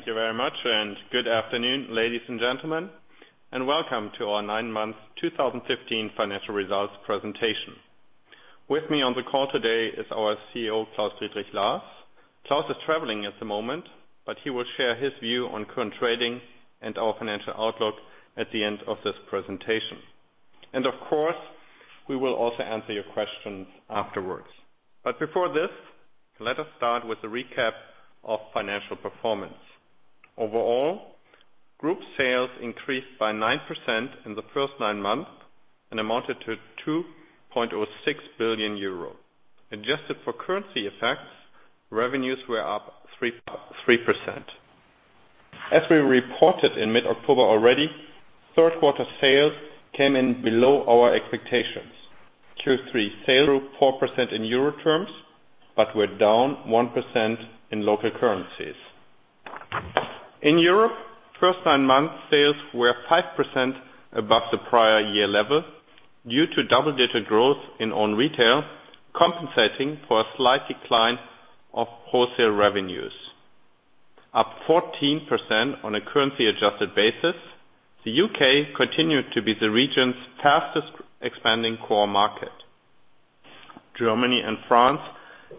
Thank you very much. Good afternoon, ladies and gentlemen, and welcome to our nine-month 2015 financial results presentation. With me on the call today is our CEO, Claus-Dietrich Lahrs. Claus is traveling at the moment. He will share his view on current trading and our financial outlook at the end of this presentation. Of course, we will also answer your questions afterwards. Before this, let us start with a recap of financial performance. Overall, group sales increased by 9% in the first nine months and amounted to 2.06 billion euro. Adjusted for currency effects, revenues were up 3%. As we reported in mid-October already, third-quarter sales came in below our expectations. Q3 sales were 4% in euro terms, but were down 1% in local currencies. In Europe, first nine months sales were 5% above the prior year level due to double-digit growth in own retail, compensating for a slight decline of wholesale revenues. Up 14% on a currency-adjusted basis, the U.K. continued to be the region's fastest expanding core market. Germany and France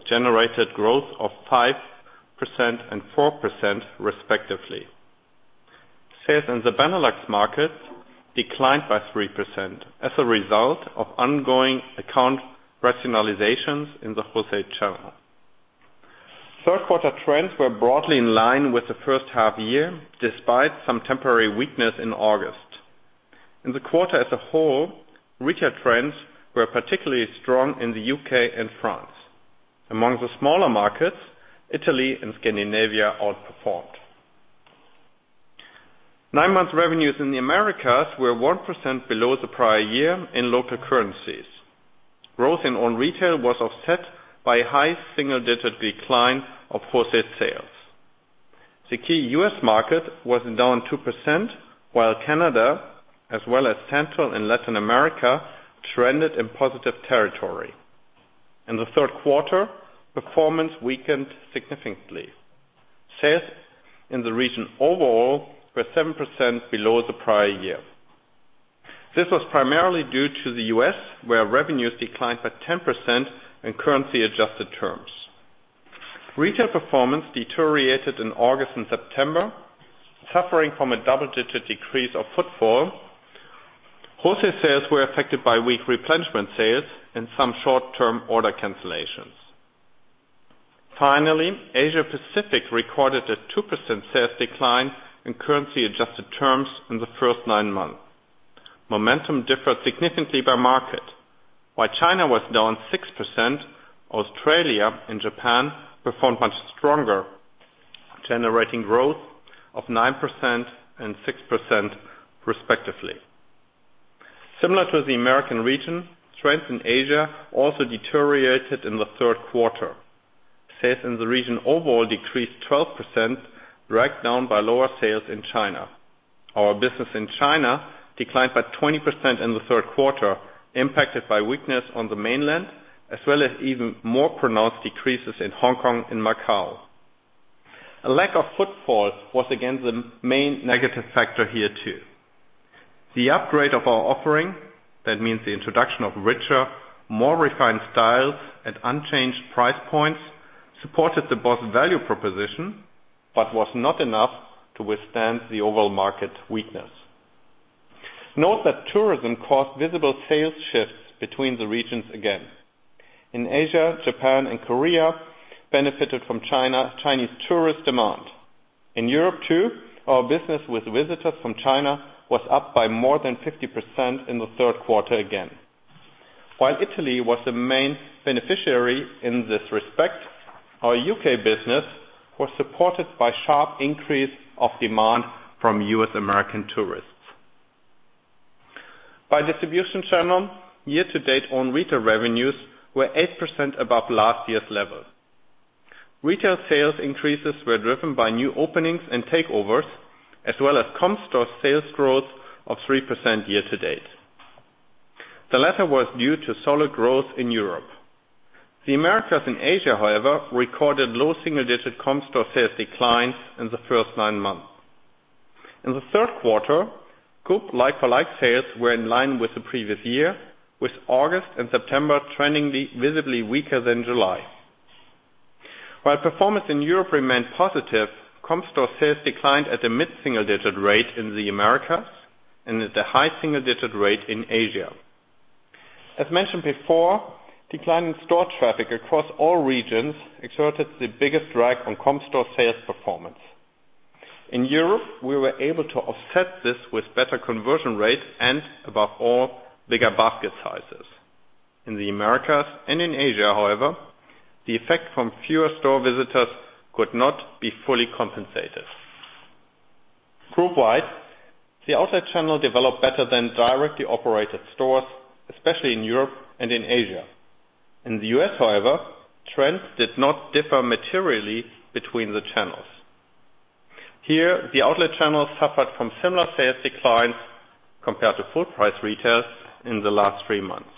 generated growth of 5% and 4% respectively. Sales in the Benelux market declined by 3% as a result of ongoing account rationalizations in the wholesale channel. Third-quarter trends were broadly in line with the first half-year, despite some temporary weakness in August. In the quarter as a whole, retail trends were particularly strong in the U.K. and France. Among the smaller markets, Italy and Scandinavia outperformed. Nine-month revenues in the Americas were 1% below the prior year in local currencies. Growth in own retail was offset by a high single-digit decline of wholesale sales. The key U.S. market was down 2%, while Canada, as well as Central and Latin America, trended in positive territory. In the third quarter, performance weakened significantly. Sales in the region overall were 7% below the prior year. This was primarily due to the U.S., where revenues declined by 10% in currency-adjusted terms. Retail performance deteriorated in August and September, suffering from a double-digit decrease of footfall. Wholesale sales were affected by weak replenishment sales and some short-term order cancellations. Finally, Asia Pacific recorded a 2% sales decline in currency-adjusted terms in the first nine months. Momentum differed significantly by market. While China was down 6%, Australia and Japan performed much stronger, generating growth of 9% and 6% respectively. Similar to the American region, trends in Asia also deteriorated in the third quarter. Sales in the region overall decreased 12%, dragged down by lower sales in China. Our business in China declined by 20% in the third quarter, impacted by weakness on the mainland, as well as even more pronounced decreases in Hong Kong and Macau. A lack of footfall was again the main negative factor here too. The upgrade of our offering, that means the introduction of richer, more refined styles at unchanged price points, supported the Boss value proposition, but was not enough to withstand the overall market weakness. Note that tourism caused visible sales shifts between the regions again. In Asia, Japan and Korea benefited from Chinese tourist demand. In Europe, too, our business with visitors from China was up by more than 50% in the third quarter again. While Italy was the main beneficiary in this respect, our U.K. business was supported by sharp increase of demand from U.S. American tourists. By distribution channel, year-to-date own retail revenues were 8% above last year's level. Retail sales increases were driven by new openings and takeovers, as well as Comparable store sales growth of 3% year-to-date. The latter was due to solid growth in Europe. The Americas and Asia, however, recorded low single-digit Comparable store sales declines in the first nine months. In the third quarter, group like-for-like sales were in line with the previous year, with August and September trending visibly weaker than July. While performance in Europe remained positive, Comparable store sales declined at a mid-single digit rate in the Americas and at a high single-digit rate in Asia. As mentioned before, decline in store traffic across all regions exerted the biggest drag on Comparable store sales performance. In Europe, we were able to offset this with better conversion rate and above all, bigger basket sizes. In the Americas and in Asia, however, the effect from fewer store visitors could not be fully compensated. Groupwide, the outlet channel developed better than directly operated stores, especially in Europe and in Asia. In the U.S., however, trends did not differ materially between the channels. Here, the outlet channel suffered from similar sales declines compared to full price retails in the last three months.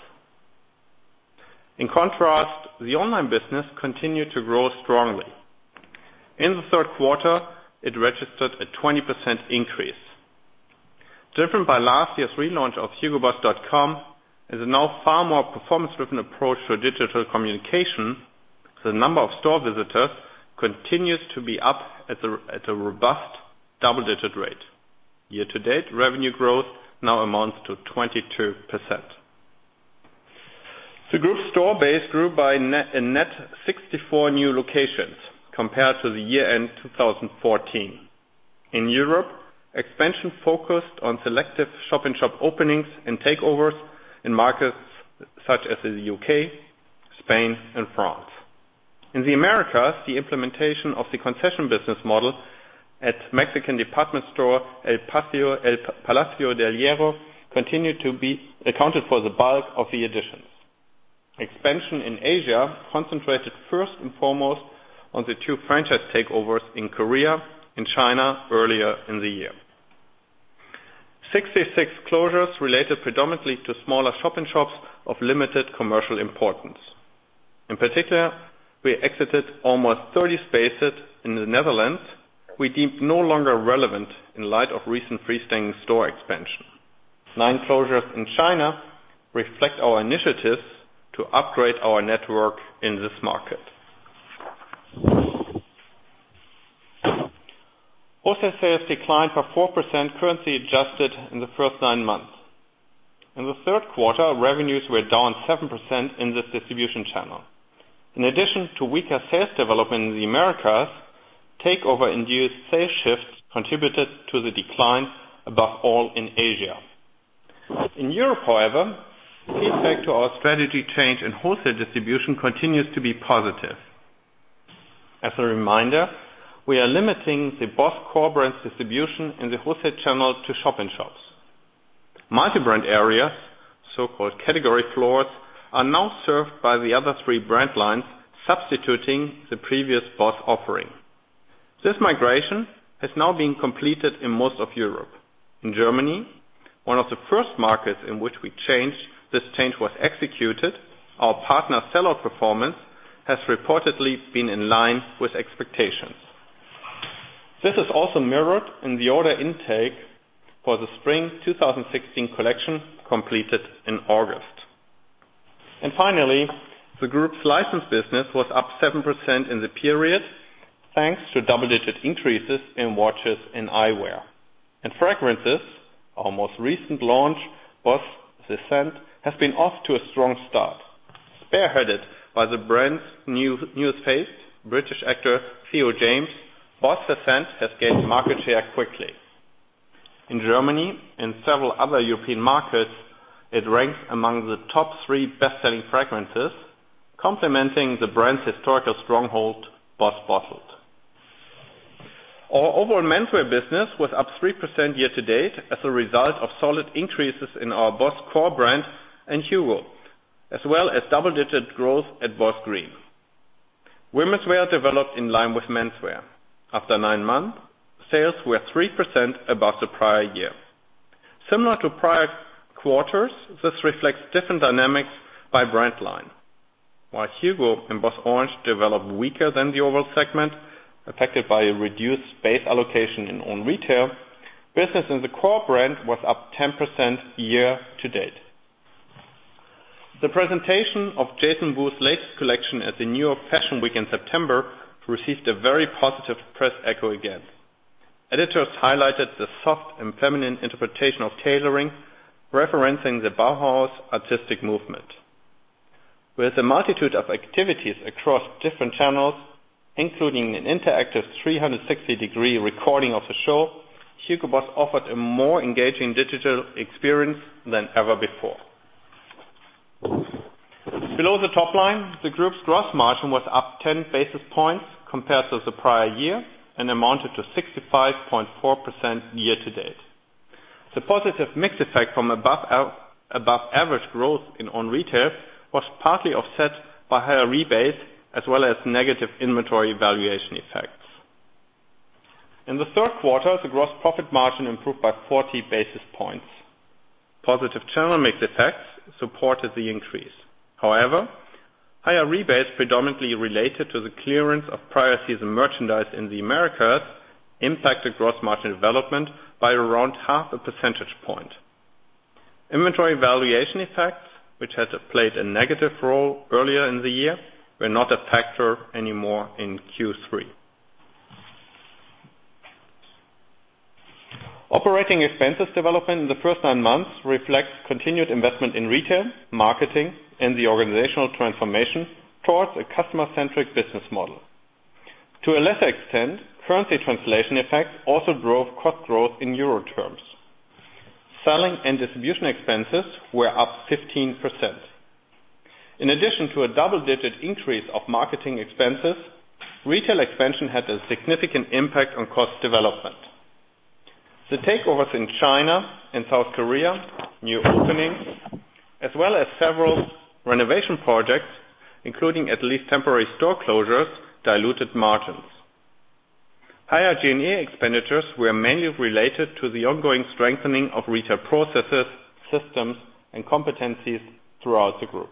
In contrast, the online business continued to grow strongly. In the third quarter, it registered a 20% increase. Driven by last year's relaunch of hugoboss.com is a now far more performance-driven approach to digital communication. The number of store visitors continues to be up at a robust double-digit rate. Year-to-date revenue growth now amounts to 22%. The group store base grew by a net 64 new locations compared to the year-end 2014. In Europe, expansion focused on selective shop-in-shop openings and takeovers in markets such as the U.K., Spain and France. In the Americas, the implementation of the concession business model at Mexican department store, El Palacio de Hierro, continued to be accounted for the bulk of the additions. Expansion in Asia concentrated first and foremost on the two franchise takeovers in Korea and China earlier in the year. 66 closures related predominantly to smaller shop-in-shops of limited commercial importance. In particular, we exited almost 30 spaces in the Netherlands we deemed no longer relevant in light of recent freestanding store expansion. Nine closures in China reflect our initiatives to upgrade our network in this market. Wholesale sales declined by 4% currency adjusted in the first nine months. In the third quarter, revenues were down 7% in this distribution channel. In addition to weaker sales development in the Americas, takeover-induced sales shifts contributed to the decline above all in Asia. In Europe, however, the effect to our strategy change and wholesale distribution continues to be positive. As a reminder, we are limiting the Boss core brand distribution in the wholesale channel to shop-in-shops. Multi-brand areas, so-called category floors, are now served by the other three brand lines, substituting the previous Boss offering. This migration has now been completed in most of Europe. In Germany, one of the first markets in which we changed, this change was executed. Our partner sell-out performance has reportedly been in line with expectations. This is also mirrored in the order intake for the Spring 2016 collection completed in August. Finally, the group's license business was up 7% in the period, thanks to double-digit increases in watches and eyewear. In fragrances, our most recent launch, BOSS The Scent, has been off to a strong start. Spearheaded by the brand's new face, British actor Theo James, BOSS The Scent has gained market share quickly. In Germany and several other European markets, it ranks among the top three best-selling fragrances, complementing the brand's historical stronghold, BOSS Bottled. Our overall menswear business was up 3% year-to-date as a result of solid increases in our Boss core brand and HUGO, as well as double-digit growth at Boss Green. Womenswear developed in line with menswear. After nine months, sales were 3% above the prior year. Similar to prior quarters, this reflects different dynamics by brand line. While HUGO and Boss Orange developed weaker than the overall segment, affected by a reduced base allocation in own retail, business in the Boss core brand was up 10% year-to-date. The presentation of Jason Wu's latest collection at the New York Fashion Week in September received a very positive press echo again. Editors highlighted the soft and feminine interpretation of tailoring, referencing the Bauhaus artistic movement. With a multitude of activities across different channels, including an interactive 360-degree recording of the show, Hugo Boss offered a more engaging digital experience than ever before. Below the top line, the group's gross margin was up 10 basis points compared to the prior year and amounted to 65.4% year-to-date. The positive mix effect from above average growth in own retail was partly offset by higher rebates as well as negative inventory valuation effects. In the third quarter, the gross profit margin improved by 40 basis points. Positive channel mix effects supported the increase. However, higher rebates predominantly related to the clearance of prior season merchandise in the Americas impacted gross margin development by around half a percentage point. Inventory valuation effects, which had played a negative role earlier in the year, were not a factor anymore in Q3. Operating expenses development in the first nine months reflects continued investment in retail, marketing, and the organizational transformation towards a customer-centric business model. To a lesser extent, currency translation effects also drove cost growth in EUR terms. Selling and distribution expenses were up 15%. In addition to a double-digit increase of marketing expenses, retail expansion had a significant impact on cost development. The takeovers in China and South Korea, new openings, as well as several renovation projects, including at least temporary store closures, diluted margins. Higher G&A expenditures were mainly related to the ongoing strengthening of retail processes, systems, and competencies throughout the group.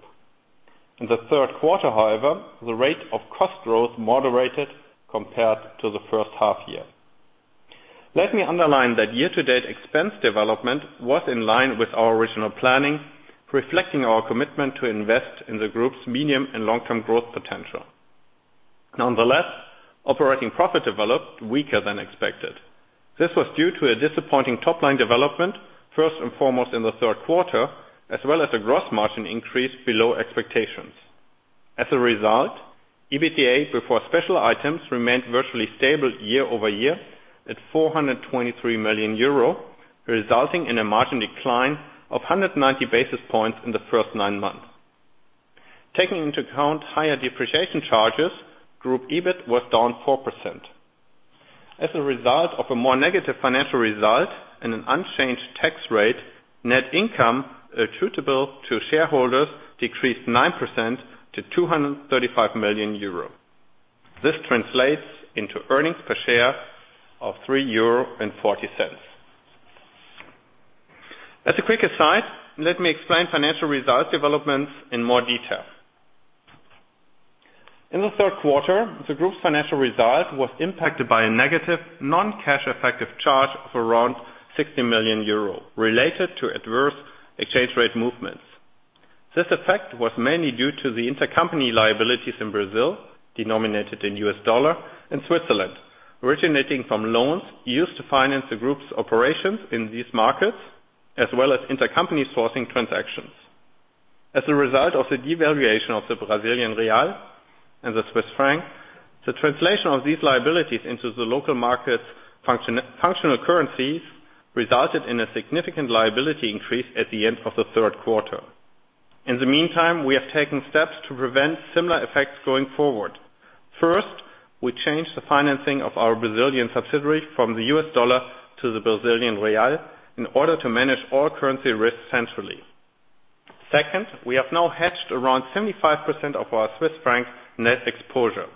In the third quarter, however, the rate of cost growth moderated compared to the first half year. Let me underline that year-to-date expense development was in line with our original planning, reflecting our commitment to invest in the group's medium and long-term growth potential. Nonetheless, operating profit developed weaker than expected. This was due to a disappointing top-line development, first and foremost in the third quarter, as well as the gross margin increase below expectations. As a result, EBITDA before special items remained virtually stable year over year at 423 million euro, resulting in a margin decline of 190 basis points in the first nine months. Taking into account higher depreciation charges, group EBIT was down 4%. As a result of a more negative financial result and an unchanged tax rate, net income attributable to shareholders decreased 9% to 235 million euro. This translates into earnings per share of 3.40 euro. As a quick aside, let me explain financial result developments in more detail. In the third quarter, the group's financial result was impacted by a negative non-cash effective charge of around 60 million euro related to adverse exchange rate movements. This effect was mainly due to the intercompany liabilities in Brazil, denominated in US dollar, and Switzerland, originating from loans used to finance the group's operations in these markets, as well as intercompany sourcing transactions. As a result of the devaluation of the Brazilian real and the Swiss franc, the translation of these liabilities into the local market's functional currencies resulted in a significant liability increase at the end of the third quarter. In the meantime, we have taken steps to prevent similar effects going forward. First, we changed the financing of our Brazilian subsidiary from the US dollar to the Brazilian real in order to manage all currency risks centrally. Second, we have now hedged around 75% of our Swiss franc net exposure.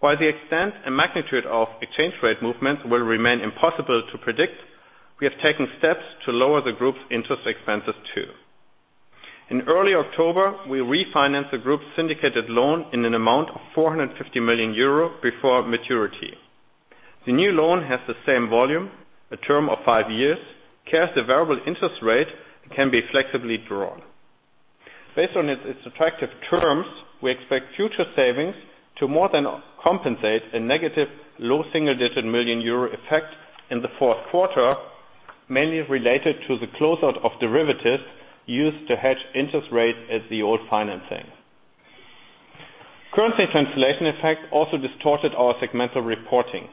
While the extent and magnitude of exchange rate movements will remain impossible to predict, we have taken steps to lower the group's interest expenses, too. In early October, we refinanced the group's syndicated loan in an amount of 450 million euro before maturity. The new loan has the same volume, a term of five years, carries a variable interest rate, and can be flexibly drawn. Based on its attractive terms, we expect future savings to more than compensate a negative low single-digit million EUR effect in the fourth quarter, mainly related to the closeout of derivatives used to hedge interest rates as the old financing. Currency translation effect also distorted our segmental reporting.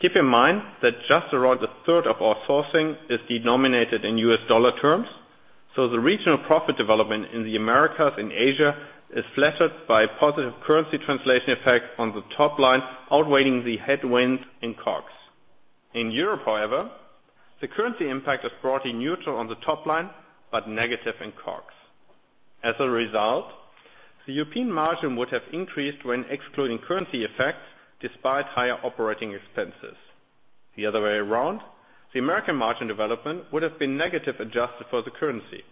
Keep in mind that just around a third of our sourcing is denominated in US dollar terms, so the regional profit development in the Americas and Asia is flattered by positive currency translation effect on the top line, outweighing the headwinds in COGS. In Europe, however, the currency impact is broadly neutral on the top line, but negative in COGS. As a result, the European margin would have increased when excluding currency effects despite higher operating expenses. The other way around, the American margin development would have been negative, adjusted for the currency.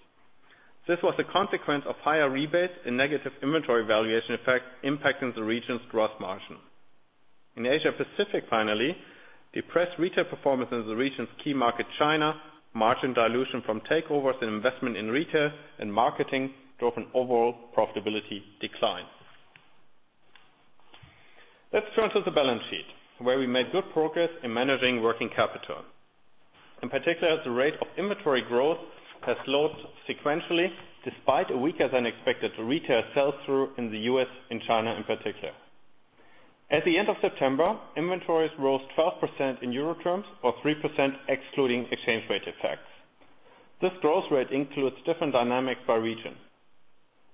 This was a consequence of higher rebates and negative inventory valuation effect impacting the region's gross margin. In Asia Pacific, finally, depressed retail performance in the region's key market, China, margin dilution from takeovers and investment in retail and marketing drove an overall profitability decline. Let's turn to the balance sheet, where we made good progress in managing working capital. In particular, the rate of inventory growth has slowed sequentially despite a weaker-than-expected retail sell-through in the U.S. and China in particular. At the end of September, inventories rose 12% in EUR terms or 3% excluding exchange rate effects. This growth rate includes different dynamics by region.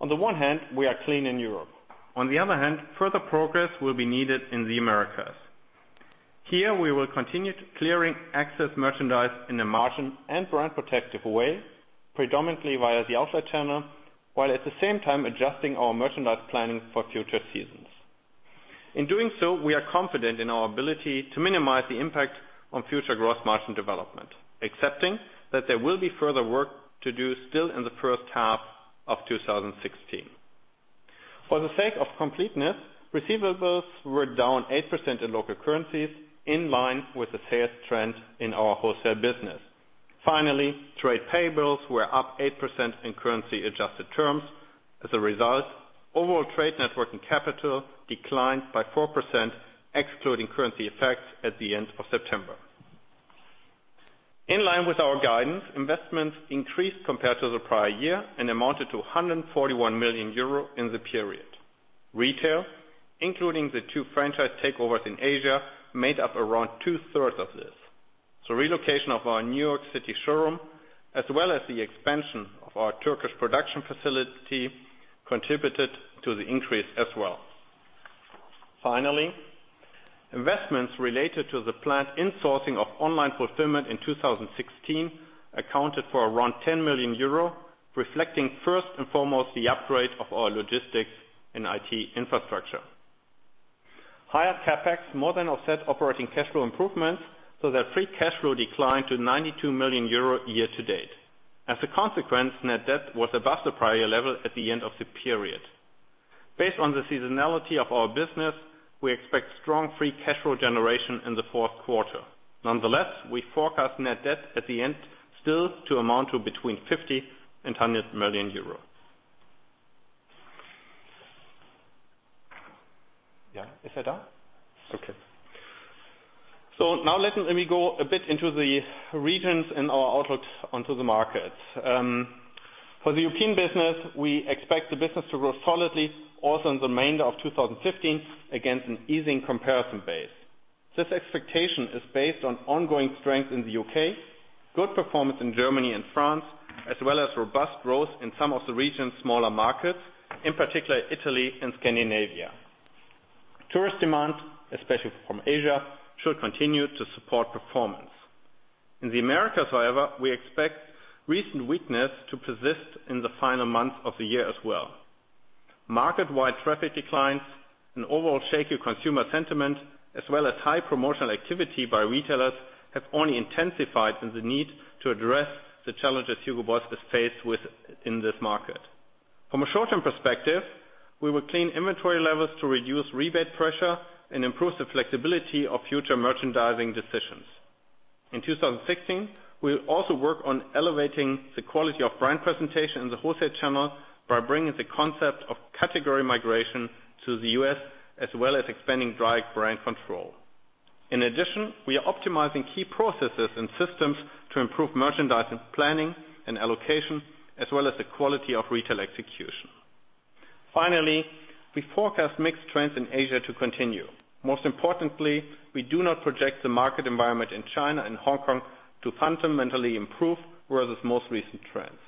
On the one hand, we are clean in Europe. On the other hand, further progress will be needed in the Americas. Here, we will continue clearing excess merchandise in a margin and brand-protective way, predominantly via the outlet channel, while at the same time adjusting our merchandise planning for future seasons. In doing so, we are confident in our ability to minimize the impact on future gross margin development, accepting that there will be further work to do still in the first half of 2016. For the sake of completeness, receivables were down 8% in local currencies, in line with the sales trend in our wholesale business. Finally, trade payables were up 8% in currency-adjusted terms. As a result, overall trade net working capital declined by 4%, excluding currency effects at the end of September. In line with our guidance, investments increased compared to the prior year and amounted to 141 million euro in the period. Retail, including the two franchise takeovers in Asia, made up around two-thirds of this. The relocation of our New York City showroom, as well as the expansion of our Turkish production facility, contributed to the increase as well. Finally, investments related to the planned insourcing of online fulfillment in 2016 accounted for around 10 million euro, reflecting first and foremost the upgrade of our logistics and IT infrastructure. Higher CapEx more than offset operating cash flow improvements, so that free cash flow declined to 92 million euro year to date. As a consequence, net debt was above the prior year level at the end of the period. Based on the seasonality of our business, we expect strong free cash flow generation in the fourth quarter. Nonetheless, we forecast net debt at the end still to amount to between 50 million euros and 100 million euro. Is that done? Now let me go a bit into the regions and our outlook onto the markets. For the European business, we expect the business to grow solidly also in the remainder of 2015 against an easing comparison base. This expectation is based on ongoing strength in the U.K., good performance in Germany and France, as well as robust growth in some of the region's smaller markets, in particular Italy and Scandinavia. Tourist demand, especially from Asia, should continue to support performance. In the Americas, however, we expect recent weakness to persist in the final months of the year as well. Market-wide traffic declines and overall shaky consumer sentiment, as well as high promotional activity by retailers, have only intensified the need to address the challenges Hugo Boss has faced with in this market. From a short-term perspective, we will clean inventory levels to reduce rebate pressure and improve the flexibility of future merchandising decisions. In 2016, we will also work on elevating the quality of brand presentation in the wholesale channel by bringing the concept of category migration to the U.S., as well as expanding direct brand control. In addition, we are optimizing key processes and systems to improve merchandising, planning, and allocation, as well as the quality of retail execution. Finally, we forecast mixed trends in Asia to continue. Most importantly, we do not project the market environment in China and Hong Kong to fundamentally improve where there's most recent trends.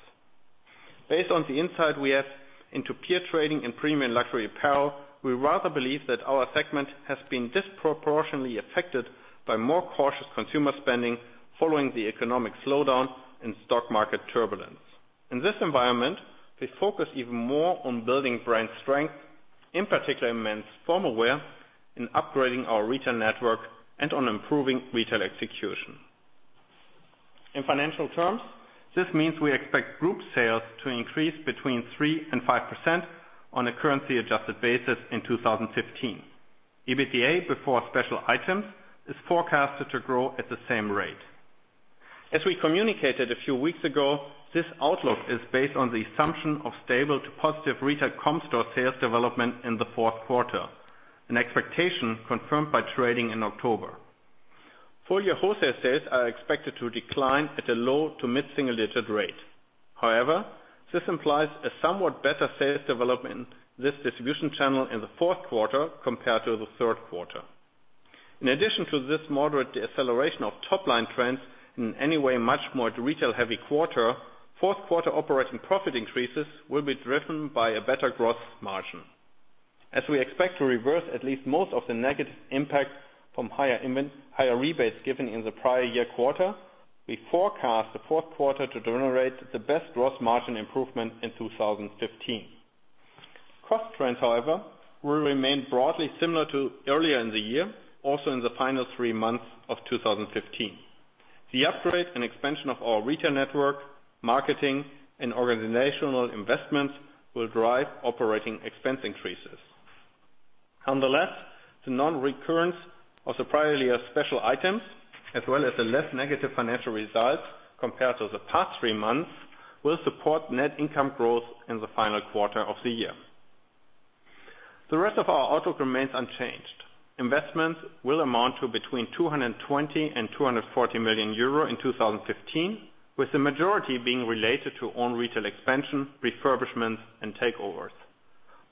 Based on the insight we have into peer trading and premium luxury apparel, we rather believe that our segment has been disproportionately affected by more cautious consumer spending following the economic slowdown and stock market turbulence. In this environment, we focus even more on building brand strength, in particular in men's formal wear, in upgrading our retail network, and on improving retail execution. In financial terms, this means we expect group sales to increase between 3% and 5% on a currency-adjusted basis in 2015. EBITDA before special items is forecasted to grow at the same rate. As we communicated a few weeks ago, this outlook is based on the assumption of stable to positive retail Comparable store sales development in the fourth quarter, an expectation confirmed by trading in October. Full year wholesale sales are expected to decline at a low to mid single-digit rate. However, this implies a somewhat better sales development in this distribution channel in the fourth quarter compared to the third quarter. In addition to this moderate deceleration of top-line trends in any way much more retail-heavy quarter, fourth quarter operating profit increases will be driven by a better gross margin. As we expect to reverse at least most of the negative impact from higher rebates given in the prior year quarter, we forecast the fourth quarter to generate the best gross margin improvement in 2015. Cost trends, however, will remain broadly similar to earlier in the year, also in the final three months of 2015. The upgrade and expansion of our retail network, marketing, and organizational investments will drive operating expense increases. Nonetheless, the non-recurrence of the prior year's special items, as well as the less negative financial results compared to the past three months, will support net income growth in the final quarter of the year. The rest of our outlook remains unchanged. Investments will amount to between 220 million and 240 million euro in 2015, with the majority being related to own retail expansion, refurbishments, and takeovers.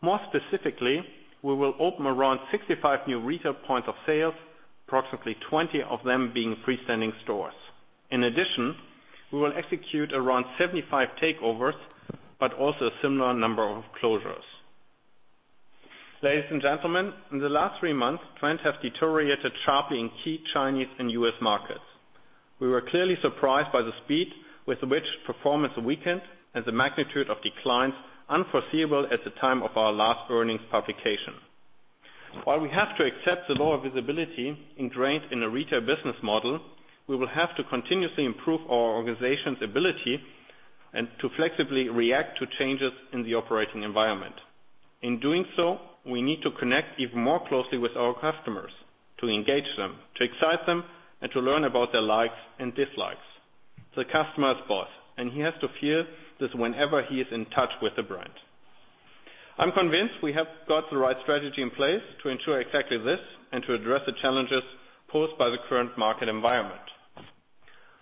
More specifically, we will open around 65 new retail points of sales, approximately 20 of them being freestanding stores. In addition, we will execute around 75 takeovers, but also a similar number of closures. Ladies and gentlemen, in the last three months, trends have deteriorated sharply in key Chinese and U.S. markets. We were clearly surprised by the speed with which performance weakened and the magnitude of declines unforeseeable at the time of our last earnings publication. While we have to accept the lower visibility ingrained in the retail business model, we will have to continuously improve our organization's ability and to flexibly react to changes in the operating environment. In doing so, we need to connect even more closely with our customers, to engage them, to excite them, and to learn about their likes and dislikes. The customer is Boss, and he has to feel this whenever he is in touch with the brand. I'm convinced we have got the right strategy in place to ensure exactly this and to address the challenges posed by the current market environment.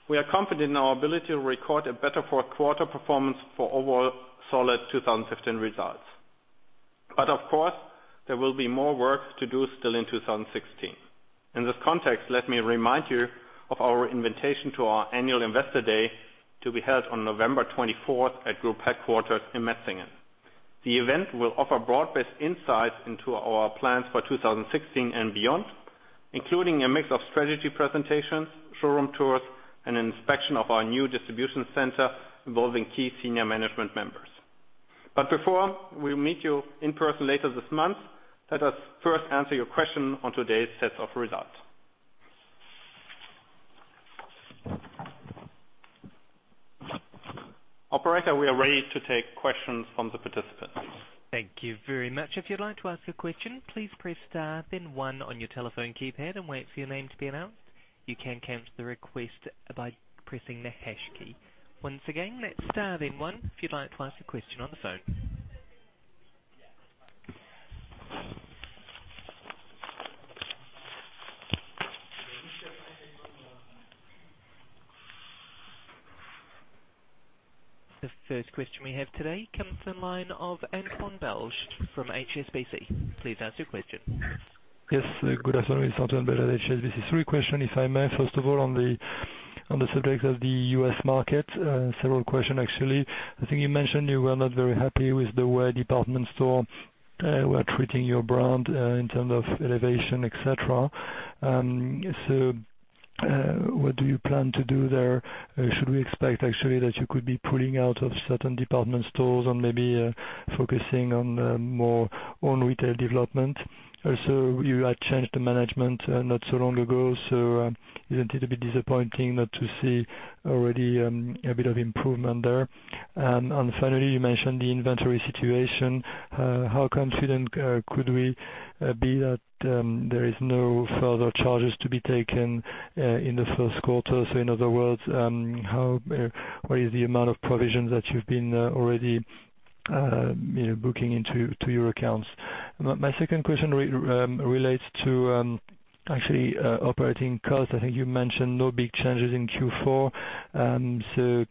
We are confident in our ability to record a better fourth quarter performance for overall solid 2015 results. Of course, there will be more work to do still in 2016. In this context, let me remind you of our invitation to our annual Investor Day to be held on November 24th at group headquarters in Metzingen. The event will offer broad-based insights into our plans for 2016 and beyond, including a mix of strategy presentations, showroom tours, and inspection of our new distribution center involving key senior management members. Before we meet you in person later this month, let us first answer your question on today's set of results. Operator, we are ready to take questions from the participants. Thank you very much. If you'd like to ask a question, please press star then one on your telephone keypad and wait for your name to be announced. You can cancel the request by pressing the hash key. Once again, that's star then one if you'd like to ask a question on the phone. The first question we have today comes from the line of Antoine Belge from HSBC. Please ask your question. Yes. Good afternoon. It's Antoine Belge, HSBC. Three question, if I may. First of all, on the subject of the U.S. market, several question actually. I think you mentioned you were not very happy with the way department store were treating your brand in terms of elevation, et cetera. What do you plan to do there? Should we expect, actually, that you could be pulling out of certain department stores and maybe focusing on more own retail development? Also, you had changed the management not so long ago, so isn't it a bit disappointing not to see already a bit of improvement there? Finally, you mentioned the inventory situation. How confident could we be that there is no further charges to be taken in the first quarter? In other words, what is the amount of provisions that you've been already booking into your accounts? My second question relates to actually operating costs. I think you mentioned no big changes in Q4.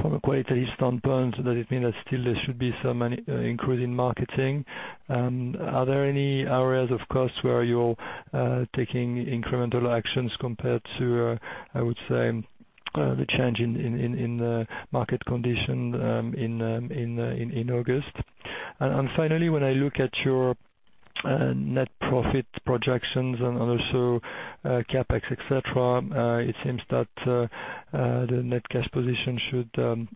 From a quarterly standpoint, does it mean that still there should be some increase in marketing? Are there any areas of cost where you're taking incremental actions compared to, I would say, the change in the market condition in August? Finally, when I look at your net profit projections and also CapEx, et cetera, it seems that the net cash position should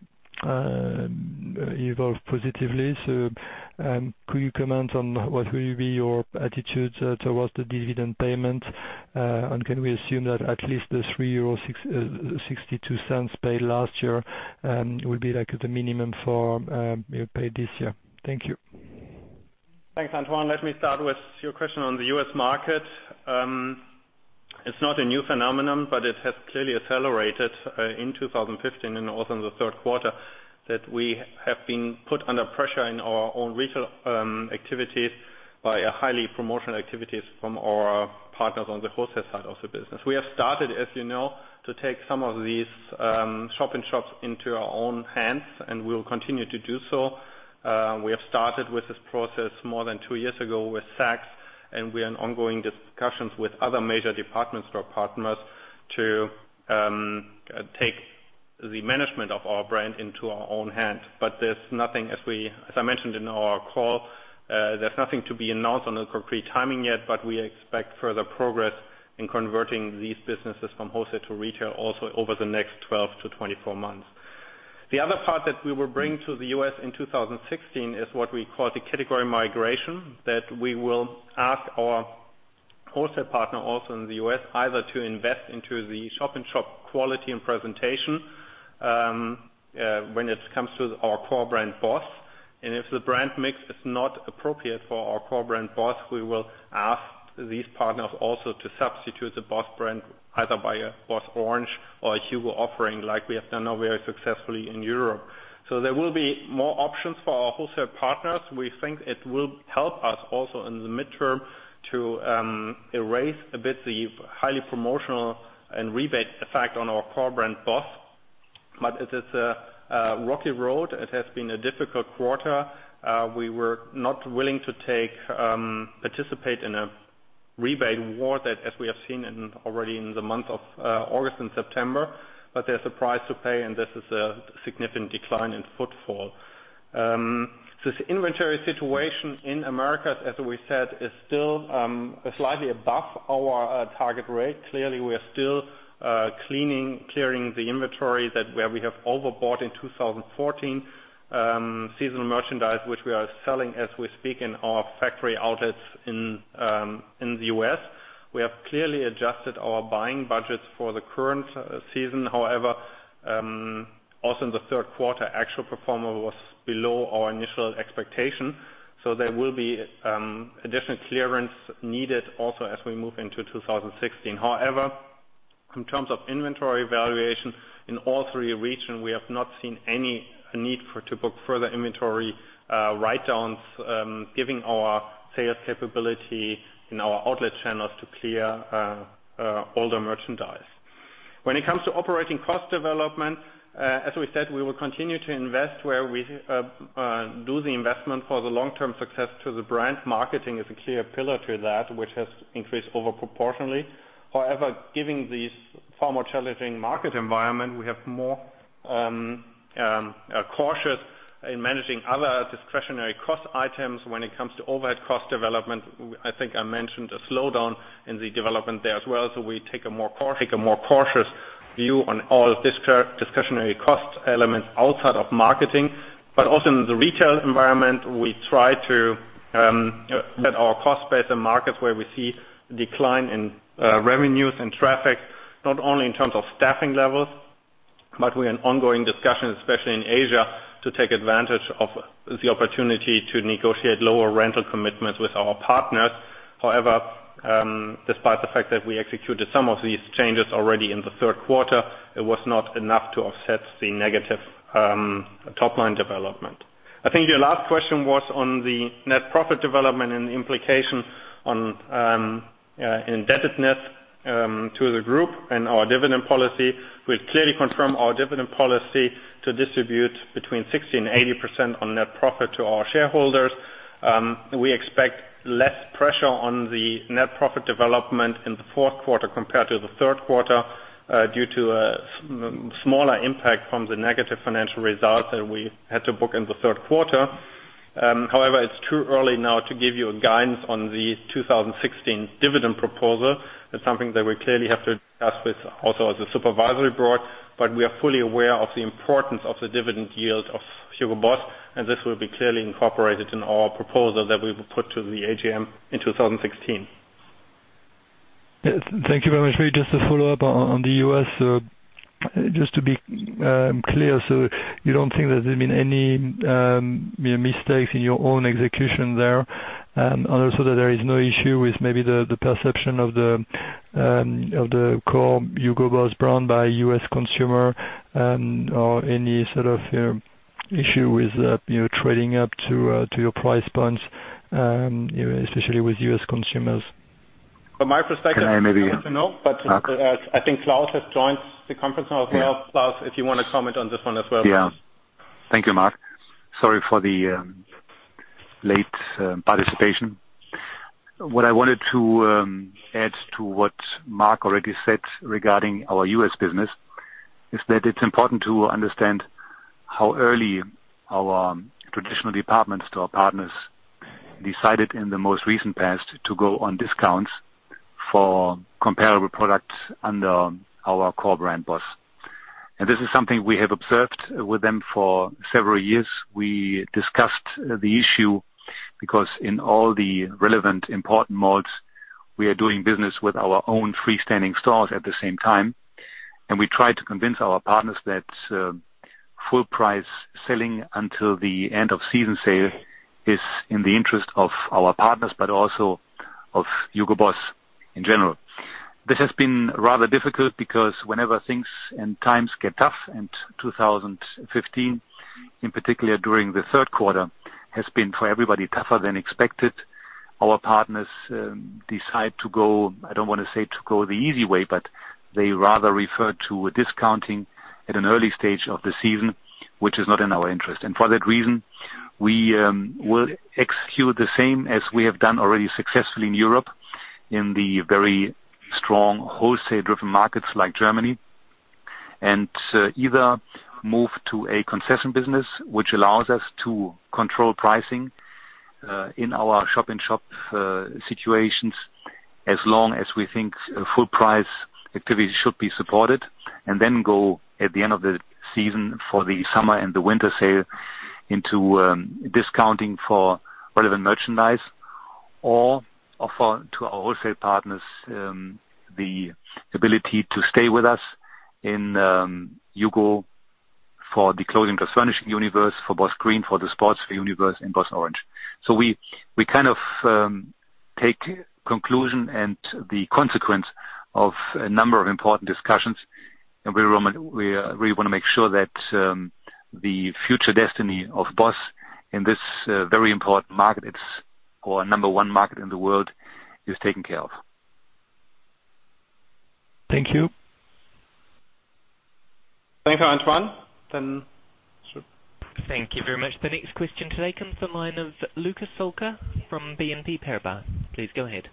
evolve positively. Could you comment on what will be your attitude towards the dividend payment? Can we assume that at least the 3.62 euro paid last year will be like the minimum for you pay this year? Thank you. Thanks, Antoine. Let me start with your question on the U.S. market. It's not a new phenomenon, but it has clearly accelerated in 2015 and also in the third quarter that we have been put under pressure in our own retail activities by a highly promotional activities from our partners on the wholesale side of the business. We have started, as you know, to take some of these shop-in-shops into our own hands, and we will continue to do so. We have started with this process more than two years ago with Saks, and we are in ongoing discussions with other major department store partners to take the management of our brand into our own hands. As I mentioned in our call, there is nothing to be announced on a concrete timing yet, but we expect further progress in converting these businesses from wholesale to retail also over the next 12-24 months. The other part that we will bring to the U.S. in 2016 is what we call the category migration. That we will ask our wholesale partner also in the U.S. either to invest into the shop-in-shop quality and presentation when it comes to our core brand Boss. If the brand mix is not appropriate for our core brand Boss, we will ask these partners also to substitute the Boss brand either by a Boss Orange or a HUGO offering like we have done now very successfully in Europe. There will be more options for our wholesale partners. We think it will help us also in the midterm to erase a bit the highly promotional and rebate effect on our core brand Boss. It is a rocky road. It has been a difficult quarter. We were not willing to participate in a rebate war that as we have seen already in the month of August and September, but there is a price to pay, and this is a significant decline in footfall. The inventory situation in America, as we said, is still slightly above our target rate. Clearly, we are still clearing the inventory where we have overbought in 2014. Seasonal merchandise, which we are selling as we speak in our factory outlets in the U.S. We have clearly adjusted our buying budgets for the current season. However, also in the third quarter, actual performer was below our initial expectation. There will be additional clearance needed also as we move into 2016. However, in terms of inventory valuation in all three regions, we have not seen any need to book further inventory write-downs, given our sales capability in our outlet channels to clear older merchandise. When it comes to operating cost development, as we said, we will continue to invest where we do the investment for the long-term success to the brand. Marketing is a clear pillar to that, which has increased over proportionally. However, given these far more challenging market environment. We are more cautious in managing other discretionary cost items when it comes to overhead cost development. I think I mentioned a slowdown in the development there as well. We take a more cautious view on all discretionary cost elements outside of marketing, but also in the retail environment. We try to set our cost base in markets where we see decline in revenues and traffic, not only in terms of staffing levels, but we are in ongoing discussions, especially in Asia, to take advantage of the opportunity to negotiate lower rental commitments with our partners. However, despite the fact that we executed some of these changes already in the third quarter, it was not enough to offset the negative top-line development. I think your last question was on the net profit development and the implication on indebtedness to the group and our dividend policy. We clearly confirm our dividend policy to distribute between 60%-80% on net profit to our shareholders. We expect less pressure on the net profit development in the fourth quarter compared to the third quarter, due to a smaller impact from the negative financial results that we had to book in the third quarter. It's too early now to give you a guidance on the 2016 dividend proposal. That's something that we clearly have to discuss with, also as a supervisory board, but we are fully aware of the importance of the dividend yield of Hugo Boss, and this will be clearly incorporated in our proposal that we will put to the AGM in 2016. Thank you very much. Maybe just a follow-up on the U.S. Just to be clear, you don't think that there's been any mistakes in your own execution there, and also that there is no issue with maybe the perception of the core Hugo Boss brand by U.S. consumer, or any sort of issue with trading up to your price points, especially with U.S. consumers. From my perspective Can I maybe No, I think Claus has joined the conference now as well. Yeah. Claus, if you want to comment on this one as well. Thank you, Mark. Sorry for the late participation. What I wanted to add to what Mark already said regarding our U.S. business is that it's important to understand how early our traditional department store partners decided in the most recent past to go on discounts for comparable products under our core brand, Boss. This is something we have observed with them for several years. We discussed the issue because in all the relevant important malls, we are doing business with our own freestanding stores at the same time. We try to convince our partners that full price selling until the end of season sale is in the interest of our partners, but also of Hugo Boss in general. This has been rather difficult because whenever things and times get tough, 2015, in particular during the third quarter, has been for everybody tougher than expected. Our partners decide to go, I don't want to say to go the easy way, they rather refer to a discounting at an early stage of the season, which is not in our interest. For that reason, we will execute the same as we have done already successfully in Europe in the very strong wholesale-driven markets like Germany. Either move to a concession business, which allows us to control pricing in our shop-in-shop situations as long as we think full price activity should be supported, then go at the end of the season for the summer and the winter sale into discounting for relevant merchandise or offer to our wholesale partners the ability to stay with us in HUGO for the clothing plus furnishing universe, for Boss Green for the sports universe and Boss Orange. We kind of take conclusion and the consequence of a number of important discussions, and we really want to make sure that the future destiny of Boss in this very important market, it's our number one market in the world, is taken care of. Thank you. Thank you, Antoine. Thank you very much. The next question today comes on line of Luca Solca from BNP Paribas. Please go ahead.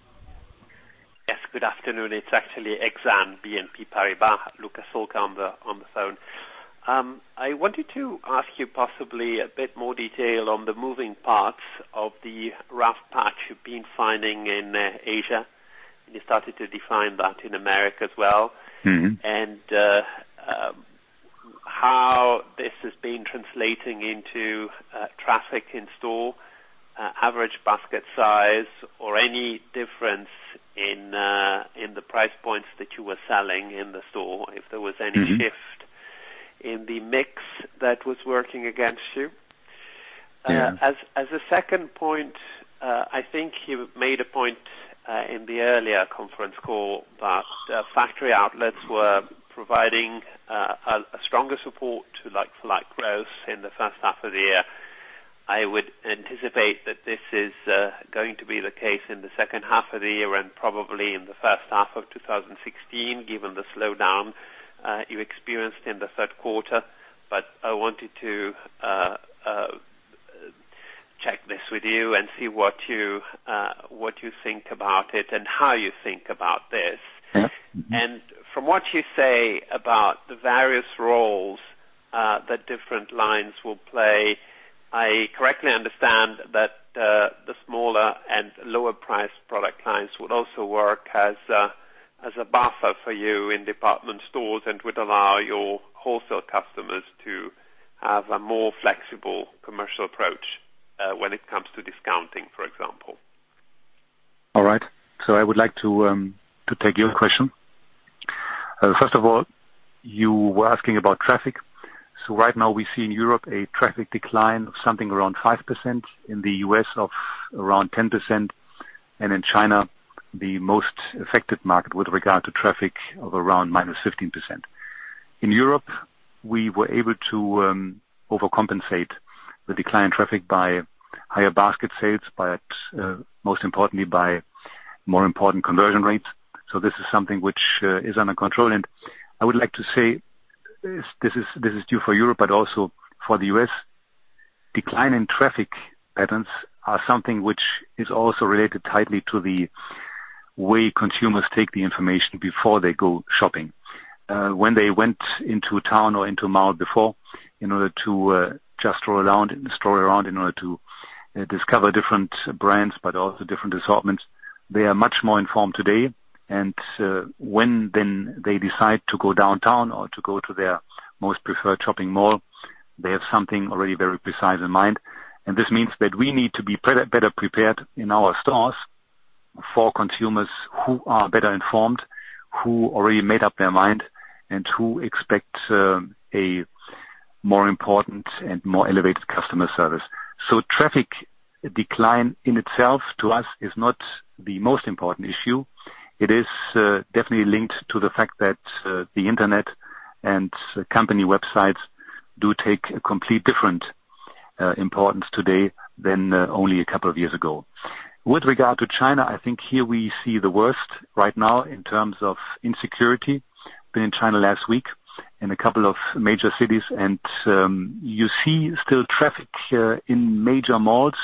Yes, good afternoon. It's actually Exane BNP Paribas. Luca Solca on the phone. I wanted to ask you possibly a bit more detail on the moving parts of the rough patch you've been finding in Asia. You started to define that in America as well. How this has been translating into traffic in store, average basket size or any difference in the price points that you were selling in the store, if there was any shift in the mix that was working against you. Yeah. As a second point, I think you made a point in the earlier conference call that factory outlets were providing a stronger support to like-for-like growth in the first half of the year. I would anticipate that this is going to be the case in the second half of the year and probably in the first half of 2016, given the slowdown you experienced in the third quarter. I wanted to with you and see what you think about it and how you think about this. Yeah. From what you say about the various roles that different lines will play, I correctly understand that the smaller and lower-priced product lines would also work as a buffer for you in department stores and would allow your wholesale customers to have a more flexible commercial approach, when it comes to discounting, for example. I would like to take your question. First of all, you were asking about traffic. Right now we see in Europe a traffic decline of something around 5%, in the U.S. of around 10%, and in China, the most affected market with regard to traffic, of around -15%. In Europe, we were able to overcompensate the decline traffic by higher basket sales, but most importantly by more important conversion rates. This is something which is under control. I would like to say, this is due for Europe but also for the U.S. Decline in traffic patterns are something which is also related tightly to the way consumers take the information before they go shopping. When they went into town or into a mall before in order to just stroll around in order to discover different brands, but also different assortments. They are much more informed today. When then they decide to go downtown or to go to their most preferred shopping mall, they have something already very precise in mind. This means that we need to be better prepared in our stores for consumers who are better informed, who already made up their mind, and who expect a more important and more elevated customer service. Traffic decline in itself, to us, is not the most important issue. It is definitely linked to the fact that the internet and company websites do take a complete different importance today than only a couple of years ago. With regard to China, I think here we see the worst right now in terms of insecurity. Been in China last week in a couple of major cities, you see still traffic in major malls,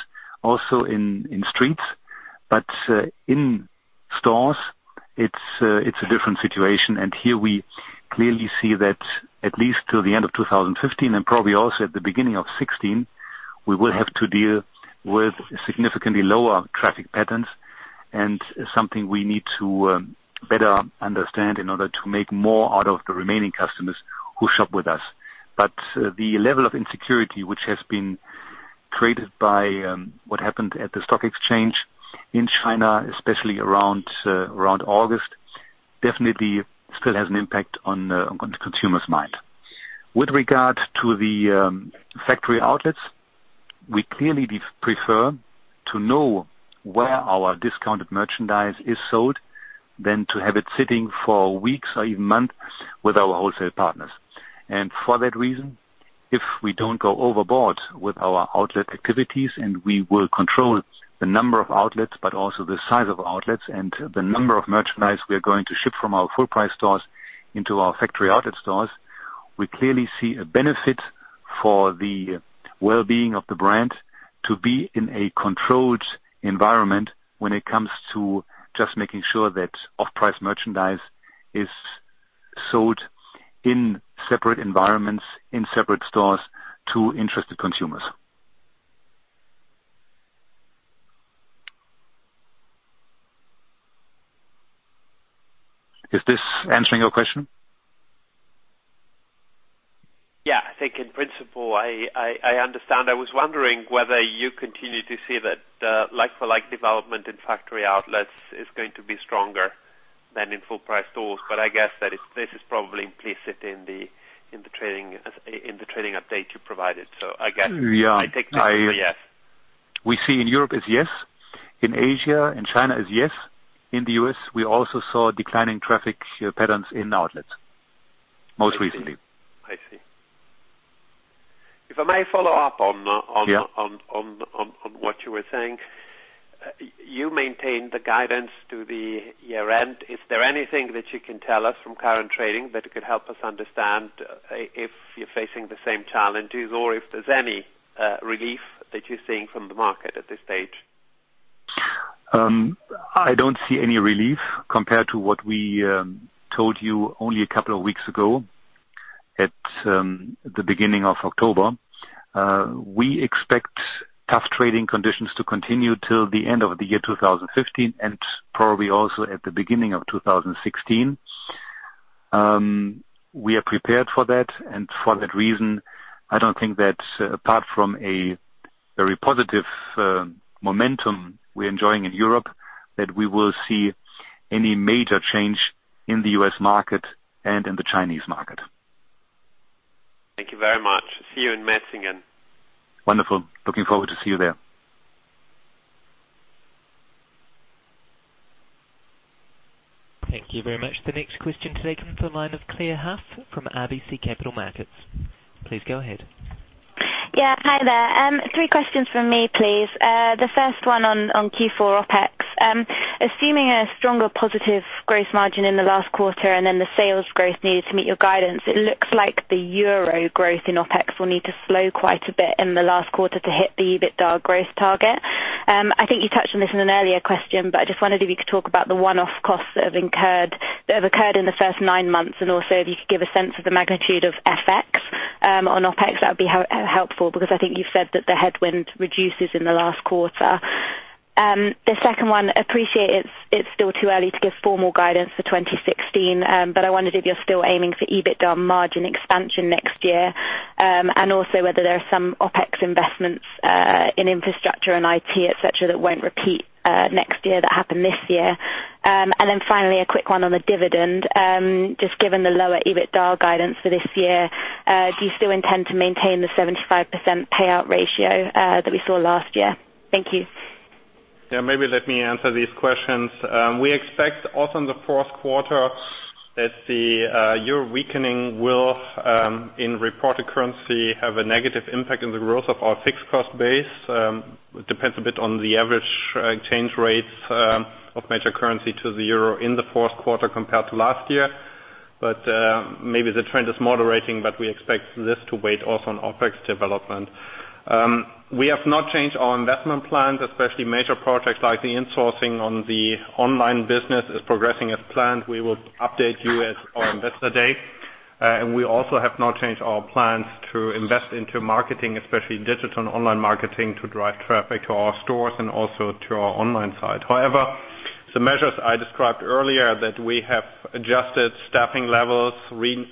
also in streets. In stores, it's a different situation. Here we clearly see that at least till the end of 2015, and probably also at the beginning of 2016, we will have to deal with significantly lower traffic patterns and something we need to better understand in order to make more out of the remaining customers who shop with us. The level of insecurity which has been created by what happened at the stock exchange in China, especially around August, definitely still has an impact on the consumer's mind. With regard to the factory outlets, we clearly prefer to know where our discounted merchandise is sold than to have it sitting for weeks or even months with our wholesale partners. For that reason, if we don't go overboard with our outlet activities and we will control the number of outlets, but also the size of outlets and the number of merchandise we are going to ship from our full price stores into our factory outlet stores, we clearly see a benefit for the well-being of the brand to be in a controlled environment when it comes to just making sure that off-price merchandise is sold in separate environments, in separate stores to interested consumers. Is this answering your question? I think in principle, I understand. I was wondering whether you continue to see that the like-for-like development in factory outlets is going to be stronger than in full-price stores. I guess that this is probably implicit in the trading update you provided. I guess- Yeah. I take this as a yes. We see in Europe as yes. In Asia and China as yes. In the U.S., we also saw declining traffic patterns in outlets most recently. I see. If I may follow up on- Yeah on what you were saying. You maintained the guidance to the year-end. Is there anything that you can tell us from current trading that could help us understand if you're facing the same challenges or if there's any relief that you're seeing from the market at this stage? I don't see any relief compared to what we told you only a couple of weeks ago at the beginning of October. We expect tough trading conditions to continue till the end of the year 2015, and probably also at the beginning of 2016. We are prepared for that, and for that reason, I don't think that apart from a very positive momentum we're enjoying in Europe, that we will see any major change in the U.S. market and in the Chinese market. Thank you very much. See you in Metzingen. Wonderful. Looking forward to see you there. Thank you very much. The next question today comes from the line of Clea Huff from RBC Capital Markets. Please go ahead. Yeah. Hi there. Three questions from me, please. The first one on Q4 OpEx. Assuming a stronger positive growth margin in the last quarter and then the sales growth needed to meet your guidance, it looks like the EUR growth in OpEx will need to slow quite a bit in the last quarter to hit the EBITDA growth target. I think you touched on this in an earlier question, but I just wondered if you could talk about the one-off costs that have occurred in the first nine months, and also if you could give a sense of the magnitude of FX on OpEx. That would be helpful, because I think you said that the headwind reduces in the last quarter. The second one, appreciate it's still too early to give formal guidance for 2016, but I wondered if you're still aiming for EBITDA margin expansion next year. Also whether there are some OpEx investments in infrastructure and IT, et cetera, that won't repeat next year that happened this year. Finally, a quick one on the dividend. Given the lower EBITDA guidance for this year, do you still intend to maintain the 75% payout ratio that we saw last year? Thank you. Yeah, maybe let me answer these questions. We expect also in the fourth quarter that the EUR weakening will, in reported currency, have a negative impact on the growth of our fixed cost base. Maybe the trend is moderating, but we expect this to wait also on OpEx development. We have not changed our investment plans, especially major projects like the insourcing on the online business is progressing as planned. We will update you at our investor day. We also have not changed our plans to invest into marketing, especially digital and online marketing, to drive traffic to our stores and also to our online site. However, the measures I described earlier, that we have adjusted staffing levels,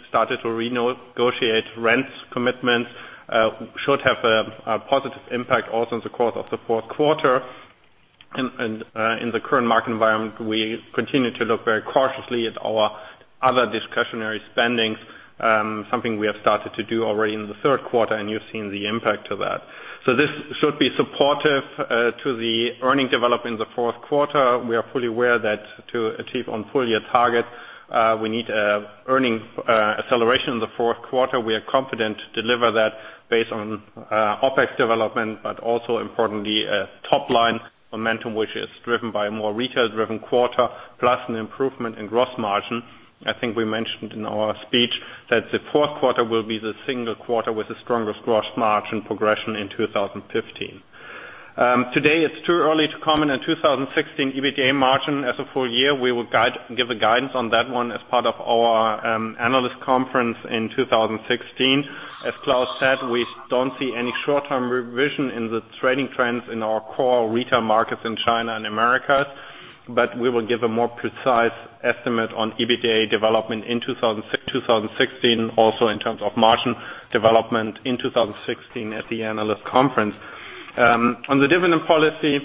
started to renegotiate rents commitments, should have a positive impact also in the course of the fourth quarter. In the current market environment, we continue to look very cautiously at our other discretionary spending, something we have started to do already in the third quarter, and you've seen the impact of that. This should be supportive to the earnings development in the fourth quarter. We are fully aware that to achieve our full year target, we need earnings acceleration in the fourth quarter. We are confident to deliver that based on OpEx development, but also importantly, top-line momentum, which is driven by a more retail-driven quarter, plus an improvement in gross margin. I think we mentioned in our speech that the fourth quarter will be the single quarter with the strongest gross margin progression in 2015. Today, it's too early to comment on 2016 EBITDA margin as a full year. We will give the guidance on that one as part of our analyst conference in 2016. As Klaus said, we don't see any short-term revision in the trading trends in our core retail markets in China and Americas, but we will give a more precise estimate on EBITDA development in 2016, also in terms of margin development in 2016 at the analyst conference. On the dividend policy,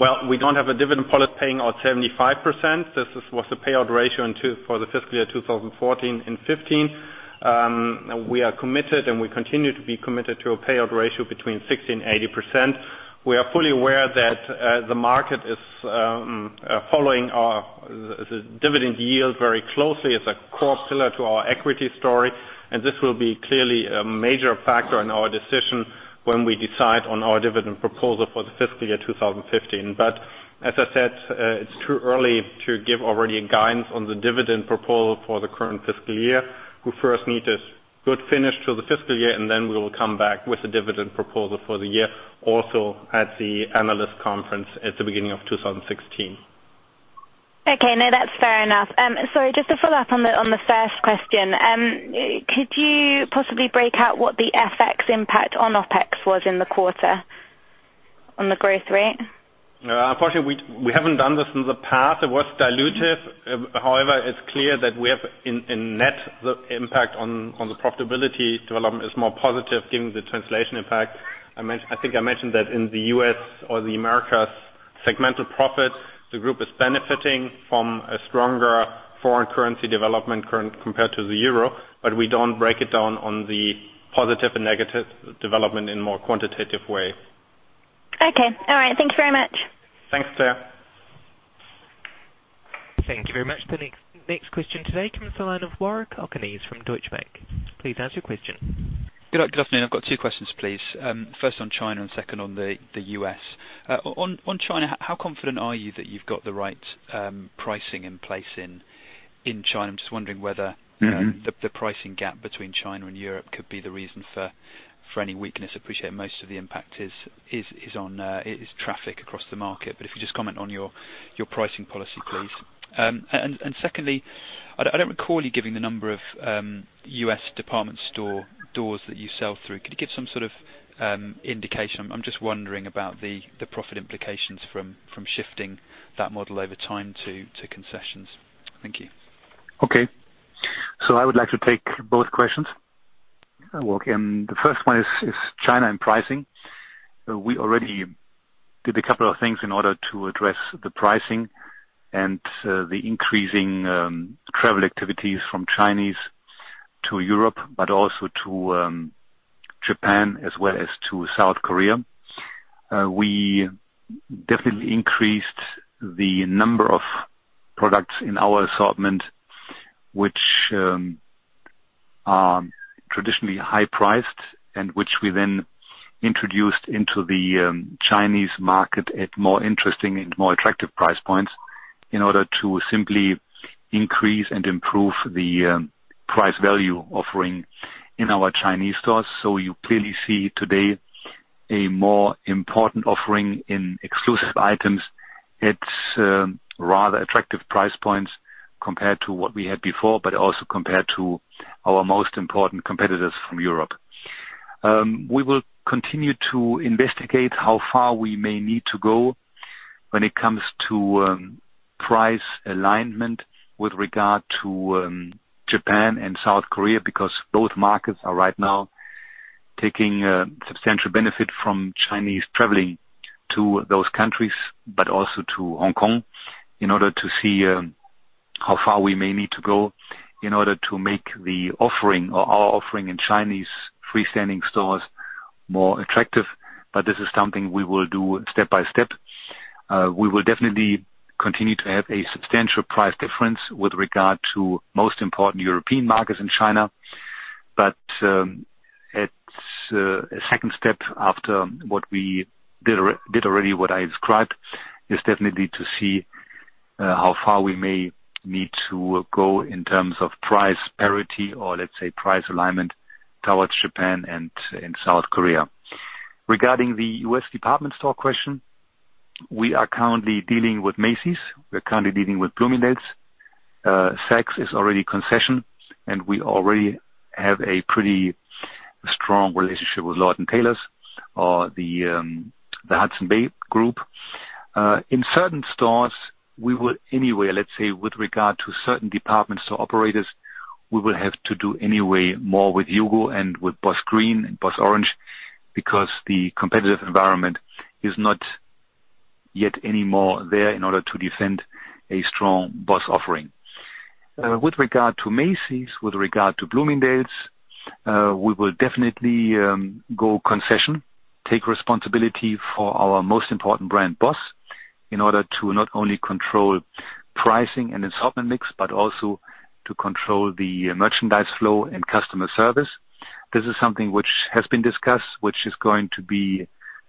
well, we don't have a dividend policy paying out 75%. This was the payout ratio for the fiscal year 2014 and 2015. We are committed, and we continue to be committed to a payout ratio between 60% and 80%. We are fully aware that the market is following our dividend yield very closely as a core pillar to our equity story, and this will be clearly a major factor in our decision when we decide on our dividend proposal for the fiscal year 2015. As I said, it's too early to give already a guidance on the dividend proposal for the current fiscal year. We first need a good finish to the fiscal year, and then we will come back with a dividend proposal for the year, also at the analyst conference at the beginning of 2016. Okay. No, that's fair enough. Sorry, just to follow up on the first question. Could you possibly break out what the FX impact on OpEx was in the quarter on the growth rate? Unfortunately, we haven't done this in the past. It was dilutive. It's clear that we have a net impact on the profitability development is more positive given the translation impact. I think I mentioned that in the U.S. or the Americas segmental profit, the group is benefiting from a stronger foreign currency development compared to the euro, we don't break it down on the positive and negative development in more quantitative way. Okay. All right. Thank you very much. Thanks, Clea. Thank you very much. The next question today comes from the line of Warwick Okines from Deutsche Bank. Please ask your question. Good afternoon. I've got two questions, please. First on China and second on the U.S. On China, how confident are you that you've got the right pricing in place in China? I'm just wondering whether the pricing gap between China and Europe could be the reason for any weakness. Appreciate most of the impact is traffic across the market, but if you just comment on your pricing policy, please. Secondly, I don't recall you giving the number of U.S. department stores that you sell through. Could you give some sort of indication? I'm just wondering about the profit implications from shifting that model over time to concessions. Thank you. Okay. I would like to take both questions. Okay. The first one is China and pricing. We already did a couple of things in order to address the pricing and the increasing travel activities from Chinese to Europe, but also to Japan as well as to South Korea. We definitely increased the number of products in our assortment, which are traditionally high-priced and which we then introduced into the Chinese market at more interesting and more attractive price points In order to simply increase and improve the price value offering in our Chinese stores. You clearly see today a more important offering in exclusive items. At rather attractive price points compared to what we had before, but also compared to our most important competitors from Europe. We will continue to investigate how far we may need to go when it comes to price alignment with regard to Japan and South Korea, because both markets are right now taking a substantial benefit from Chinese traveling to those countries, but also to Hong Kong, in order to see how far we may need to go in order to make our offering in Chinese freestanding stores more attractive. This is something we will do step by step. We will definitely continue to have a substantial price difference with regard to most important European markets in China. It's a second step after what we did already, what I described, is definitely to see how far we may need to go in terms of price parity or let's say price alignment towards Japan and South Korea. Regarding the U.S. department store question, we are currently dealing with Macy's, we're currently dealing with Bloomingdale's. Saks is already concession, and we already have a pretty strong relationship with Lord & Taylor or the Hudson's Bay group. In certain stores, we will anyway, let's say, with regard to certain department store operators, we will have to do anyway more with HUGO and with Boss Green and Boss Orange, because the competitive environment is not yet anymore there in order to defend a strong Boss offering. With regard to Macy's, with regard to Bloomingdale's, we will definitely go concession, take responsibility for our most important brand, Boss, in order to not only control pricing and assortment mix, but also to control the merchandise flow and customer service. This is something which has been discussed, which is going to be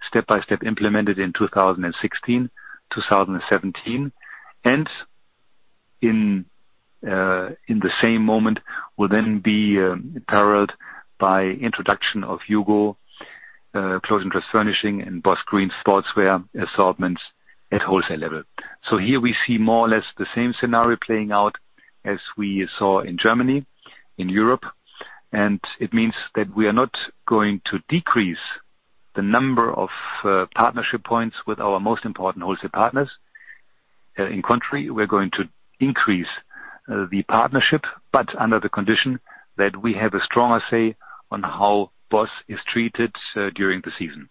step-by-step implemented in 2016, 2017, and in the same moment will then be paralleled by introduction of HUGO Clothing, plus Furnishing and Boss Green Sportswear assortments at wholesale level. Here we see more or less the same scenario playing out as we saw in Germany, in Europe, and it means that we are not going to decrease the number of partnership points with our most important wholesale partners. On the contrary, we're going to increase the partnership, but under the condition that we have a stronger say on how Boss is treated during the season.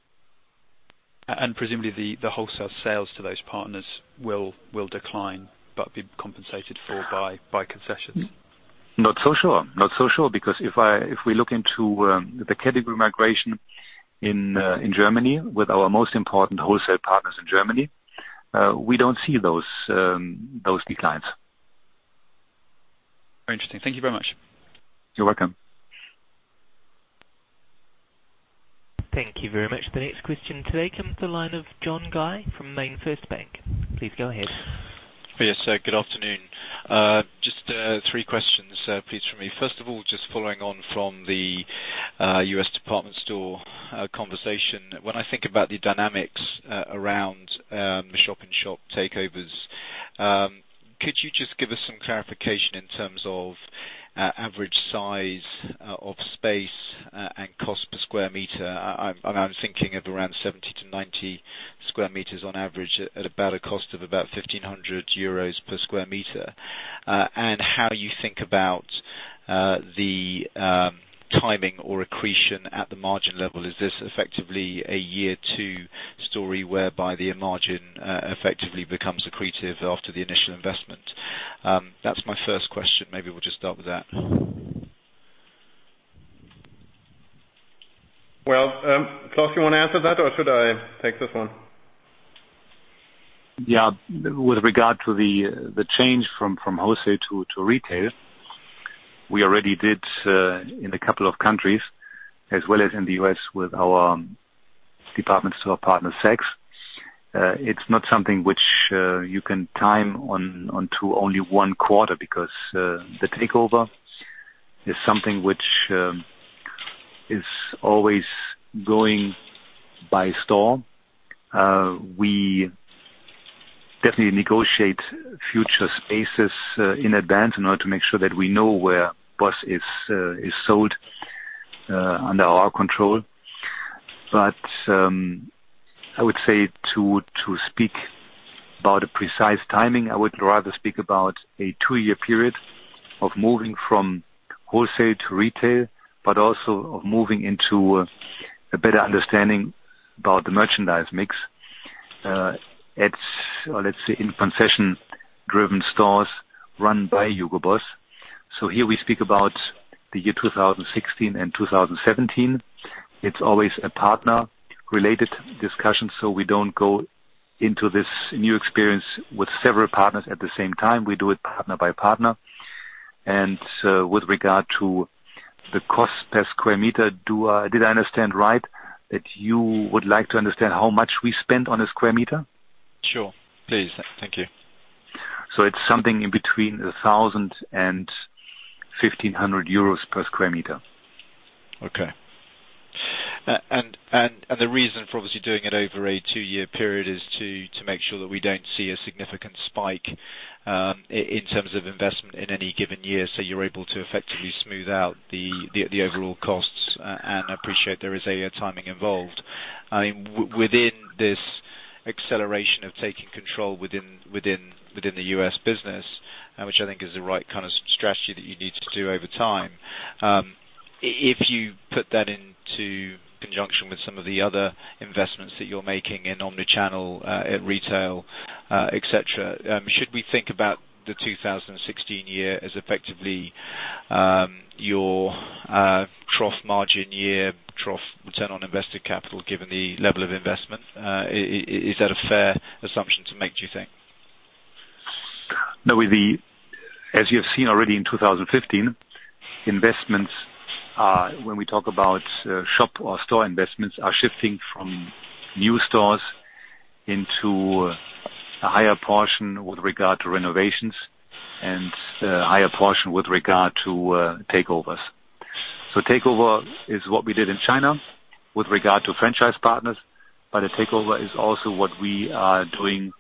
Presumably the wholesale sales to those partners will decline but be compensated for by concessions. Not so sure, because if we look into the category migration in Germany with our most important wholesale partners in Germany, we don't see those declines. Very interesting. Thank you very much. You're welcome. Thank you very much. The next question today comes to the line of John Guy from MainFirst Bank. Please go ahead. Yes, good afternoon. Just three questions, please, from me. First of all, just following on from the U.S. department store conversation. When I think about the dynamics around the shop-in-shop takeovers, could you just give us some clarification in terms of average size of space and cost per sq m? I'm thinking of around 70 to 90 sq m on average at about a cost of about 1,500 euros per sq m. How you think about the timing or accretion at the margin level. Is this effectively a year two story whereby the margin effectively becomes accretive after the initial investment? That's my first question. Maybe we'll just start with that. Well, Claus, you want to answer that or should I take this one? With regard to the change from wholesale to retail, we already did in a couple of countries, as well as in the U.S. with our department store partner, Saks. It's not something which you can time onto only one quarter because the takeover is something which is always going by store. We definitely negotiate future spaces in advance in order to make sure that we know where Boss is sold under our control. I would say to speak about a precise timing, I would rather speak about a two-year period of moving from wholesale to retail, but also of moving into a better understanding about the merchandise mix. It's, let's say, in concession driven stores run by Hugo Boss. Here we speak about the year 2016 and 2017. It's always a partner related discussion, we don't go into this new experience with several partners at the same time. We do it partner by partner. With regard to the cost per square meter, did I understand right that you would like to understand how much we spend on a square meter? Sure, please. Thank you. It's something in between 1,000 euros and EUR 1,500 per square meter. The reason for obviously doing it over a two-year period is to make sure that we don't see a significant spike in terms of investment in any given year, so you're able to effectively smooth out the overall costs and appreciate there is a timing involved. Within this acceleration of taking control within the U.S. business, which I think is the right kind of strategy that you need to do over time. If you put that into conjunction with some of the other investments that you're making in omni-channel, at retail, et cetera, should we think about the 2016 year as effectively your trough margin year, trough return on invested capital, given the level of investment? Is that a fair assumption to make, do you think? No. As you have seen already in 2015, investments, when we talk about shop or store investments, are shifting from new stores into a higher portion with regard to renovations and a higher portion with regard to takeovers. Takeover is what we did in China with regard to franchise partners, but a takeover is also what we are doing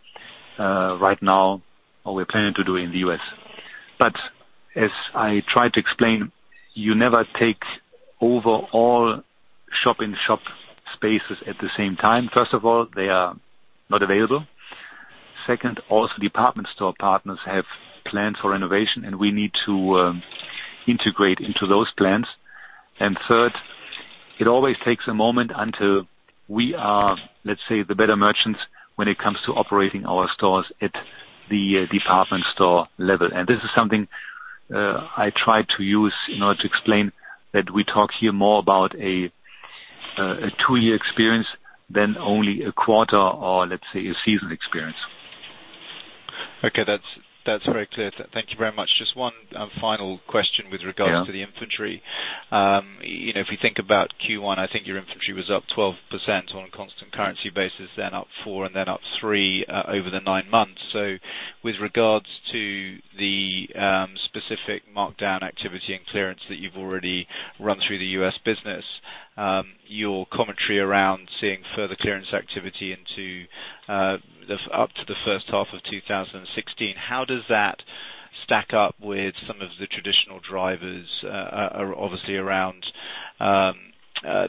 right now, or we're planning to do in the U.S. As I tried to explain, you never take over all shop-in-shop spaces at the same time. First of all, they are not available. Second, also, department store partners have plans for renovation, and we need to integrate into those plans. Third, it always takes a moment until we are, let's say, the better merchants when it comes to operating our stores at the department store level. This is something I try to use in order to explain that we talk here more about a two-year experience than only a quarter or, let's say, a season experience. Okay. That's very clear. Thank you very much. Just one final question with regards. Yeah to the inventory. If you think about Q1, I think your inventory was up 12% on a constant currency basis, then up 4%, and then up 3% over the nine months. With regards to the specific markdown activity and clearance that you've already run through the U.S. business, your commentary around seeing further clearance activity up to the first half of 2016, how does that stack up with some of the traditional drivers, obviously, around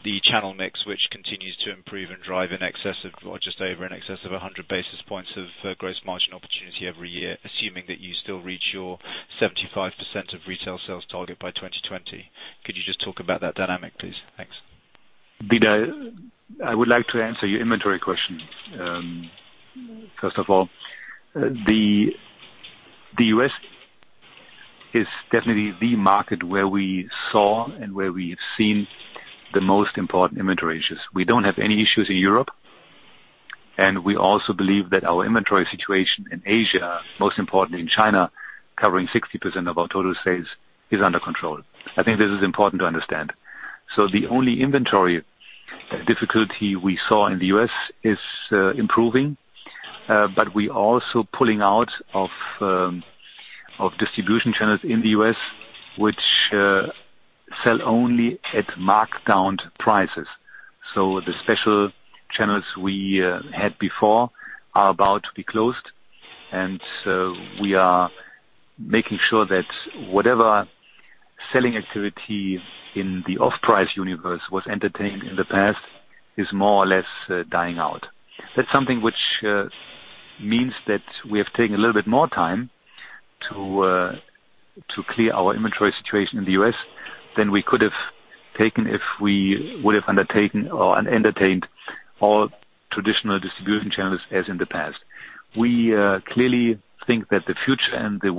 the channel mix, which continues to improve and drive in excess of, or just over in excess of 100 basis points of gross margin opportunity every year, assuming that you still reach your 75% of retail sales target by 2020? Could you just talk about that dynamic, please? Thanks. I would like to answer your inventory question first of all. The U.S. is definitely the market where we saw and where we have seen the most important inventory issues. We don't have any issues in Europe, and we also believe that our inventory situation in Asia, most importantly in China, covering 60% of our total sales, is under control. I think this is important to understand. The only inventory difficulty we saw in the U.S. is improving. We also pulling out of distribution channels in the U.S., which sell only at marked down prices. The special channels we had before are about to be closed, and we are making sure that whatever selling activity in the off-price universe was entertained in the past is more or less dying out. That's something which means that we have taken a little bit more time to clear our inventory situation in the U.S. than we could have taken if we would have undertaken or entertained all traditional distribution channels as in the past. We clearly think that the future and the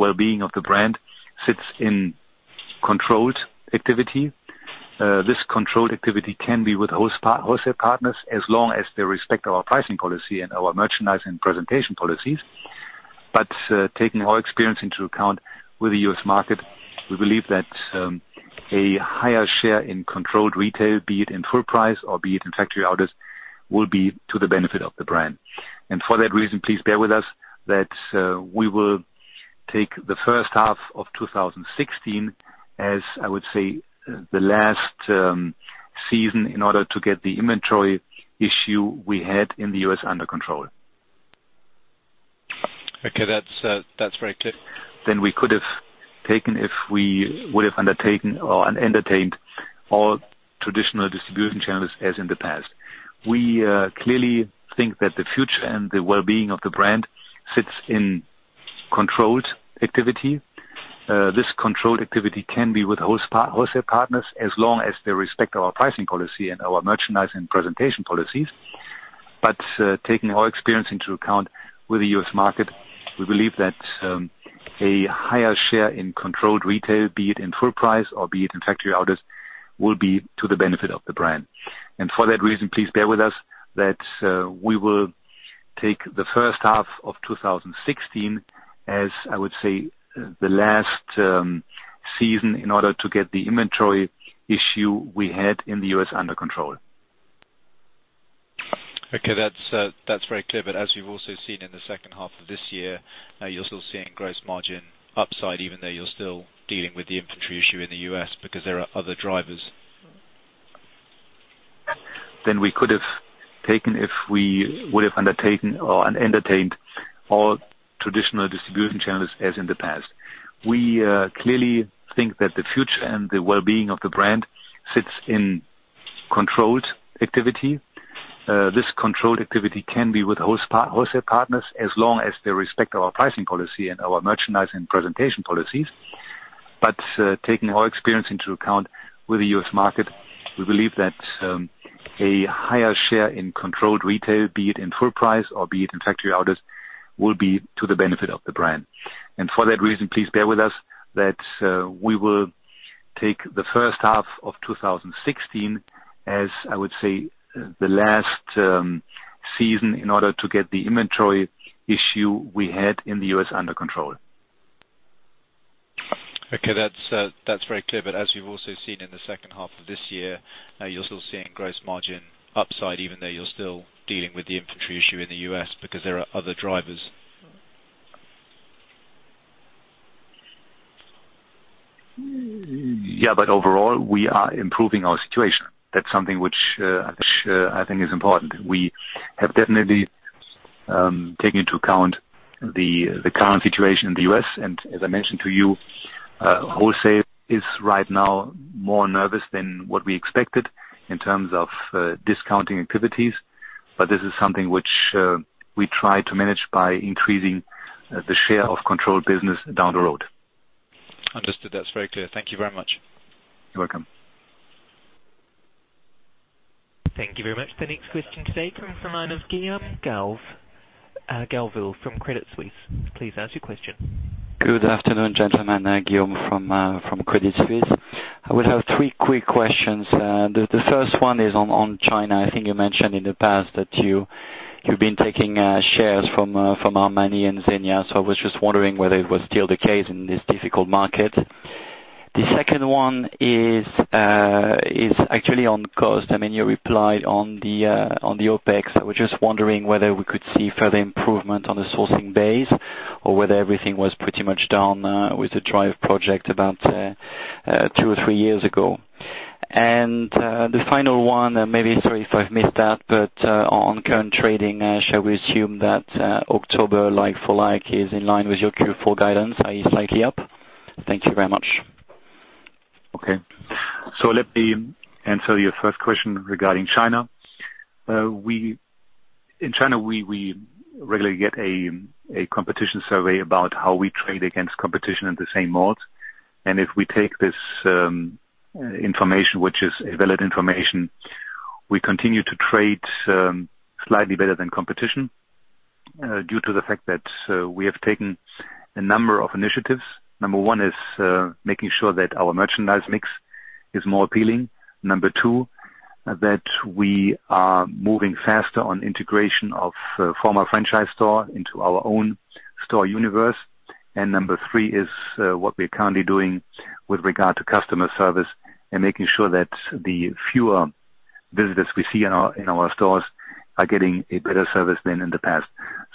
wellbeing of the brand sits in controlled activity. This controlled activity can be with wholesale partners, as long as they respect our pricing policy and our merchandising presentation policies. Taking our experience into account with the U.S. market, we believe that a higher share in controlled retail, be it in full price or be it in factory outlets, This is something which we try to manage by increasing the share of controlled business down the road. Understood. That's very clear. Thank you very much. You're welcome. Thank you very much. The next question today comes from line of Guillaume Gauville from Credit Suisse. Please ask your question. Good afternoon, gentlemen. Guillaume from Credit Suisse. I will have three quick questions. The first one is on China. I think you mentioned in the past that you've been taking shares from Armani and Zegna. I was just wondering whether it was still the case in this difficult market. The second one is actually on cost. You replied on the OpEx. I was just wondering whether we could see further improvement on the sourcing base or whether everything was pretty much done with the Drive project about two or three years ago. The final one, maybe, sorry if I've missed that, but on current trading, shall we assume that October like-for-like is in line with your Q4 guidance, are you slightly up? Thank you very much. Let me answer your first question regarding China. In China, we regularly get a competition survey about how we trade against competition in the same malls. If we take this information, which is valid information, we continue to trade slightly better than competition due to the fact that we have taken a number of initiatives. Number 1 is making sure that our merchandise mix is more appealing. Number 2, that we are moving faster on integration of former franchise store into our own store universe. Number 3 is what we are currently doing with regard to customer service and making sure that the fewer visitors we see in our stores are getting a better service than in the past.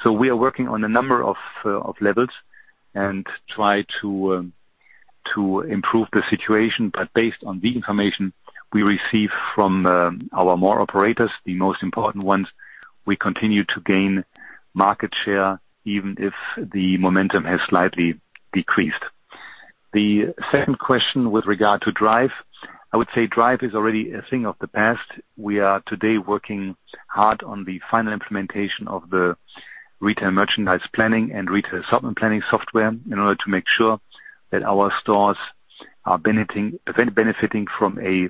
We are working on a number of levels and try to improve the situation. Based on the information we receive from our mall operators, the most important ones, we continue to gain market share even if the momentum has slightly decreased. The second question with regard to Drive, I would say Drive is already a thing of the past. We are today working hard on the final implementation of the retail merchandise planning and retail assortment planning software in order to make sure that our stores are benefiting from a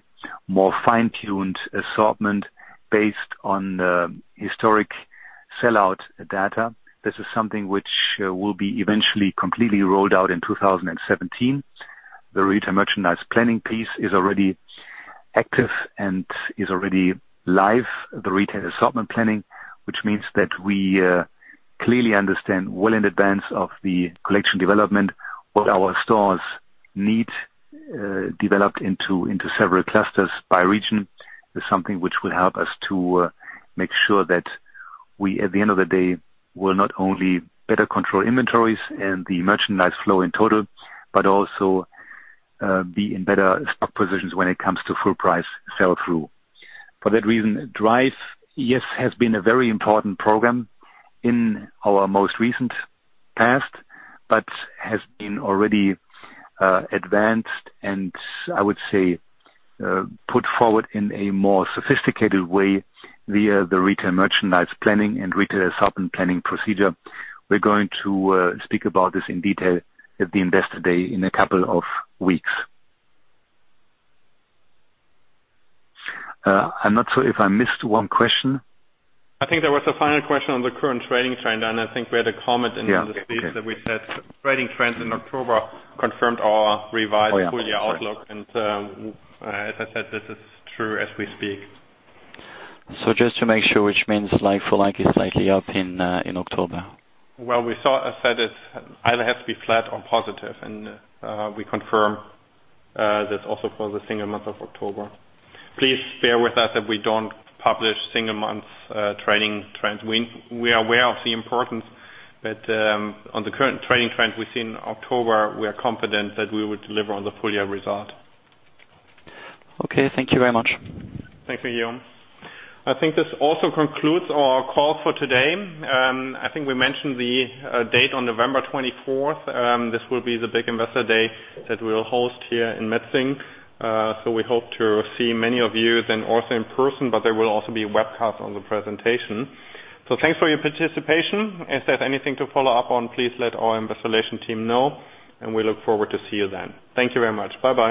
more fine-tuned assortment based on the historic sellout data. This is something which will be eventually completely rolled out in 2017. The retail merchandise planning piece is already active and is already live. The retail assortment planning, which means that we clearly understand well in advance of the collection development what our stores need developed into several clusters by region, is something which will help us to make sure that we, at the end of the day, will not only better control inventories and the merchandise flow in total, but also be in better stock positions when it comes to full price sell-through. For that reason, Drive, yes, has been a very important program in our most recent past, but has been already advanced and I would say, put forward in a more sophisticated way via the retail merchandise planning and retail assortment planning procedure. We're going to speak about this in detail at the Investor Day in a couple of weeks. I'm not sure if I missed one question. I think there was a final question on the current trading trend. I think we had a comment in the speech that we said trading trends in October confirmed our revised full year outlook. Oh, yeah. Sorry. As I said, this is true as we speak. Just to make sure, which means like-for-like is slightly up in October. Well, we said it either has to be flat or positive, we confirm this also for the single month of October. Please bear with us that we don't publish single month trading trends. We are aware of the importance that on the current trading trends we see in October, we are confident that we will deliver on the full year result. Okay. Thank you very much. Thank you, Guillaume. I think this also concludes our call for today. I think we mentioned the date on November 24th. This will be the big Investor Day that we'll host here in Metzingen. We hope to see many of you then also in person, there will also be a webcast on the presentation. Thanks for your participation. If there's anything to follow up on, please let our investor relation team know, we look forward to see you then. Thank you very much. Bye-bye.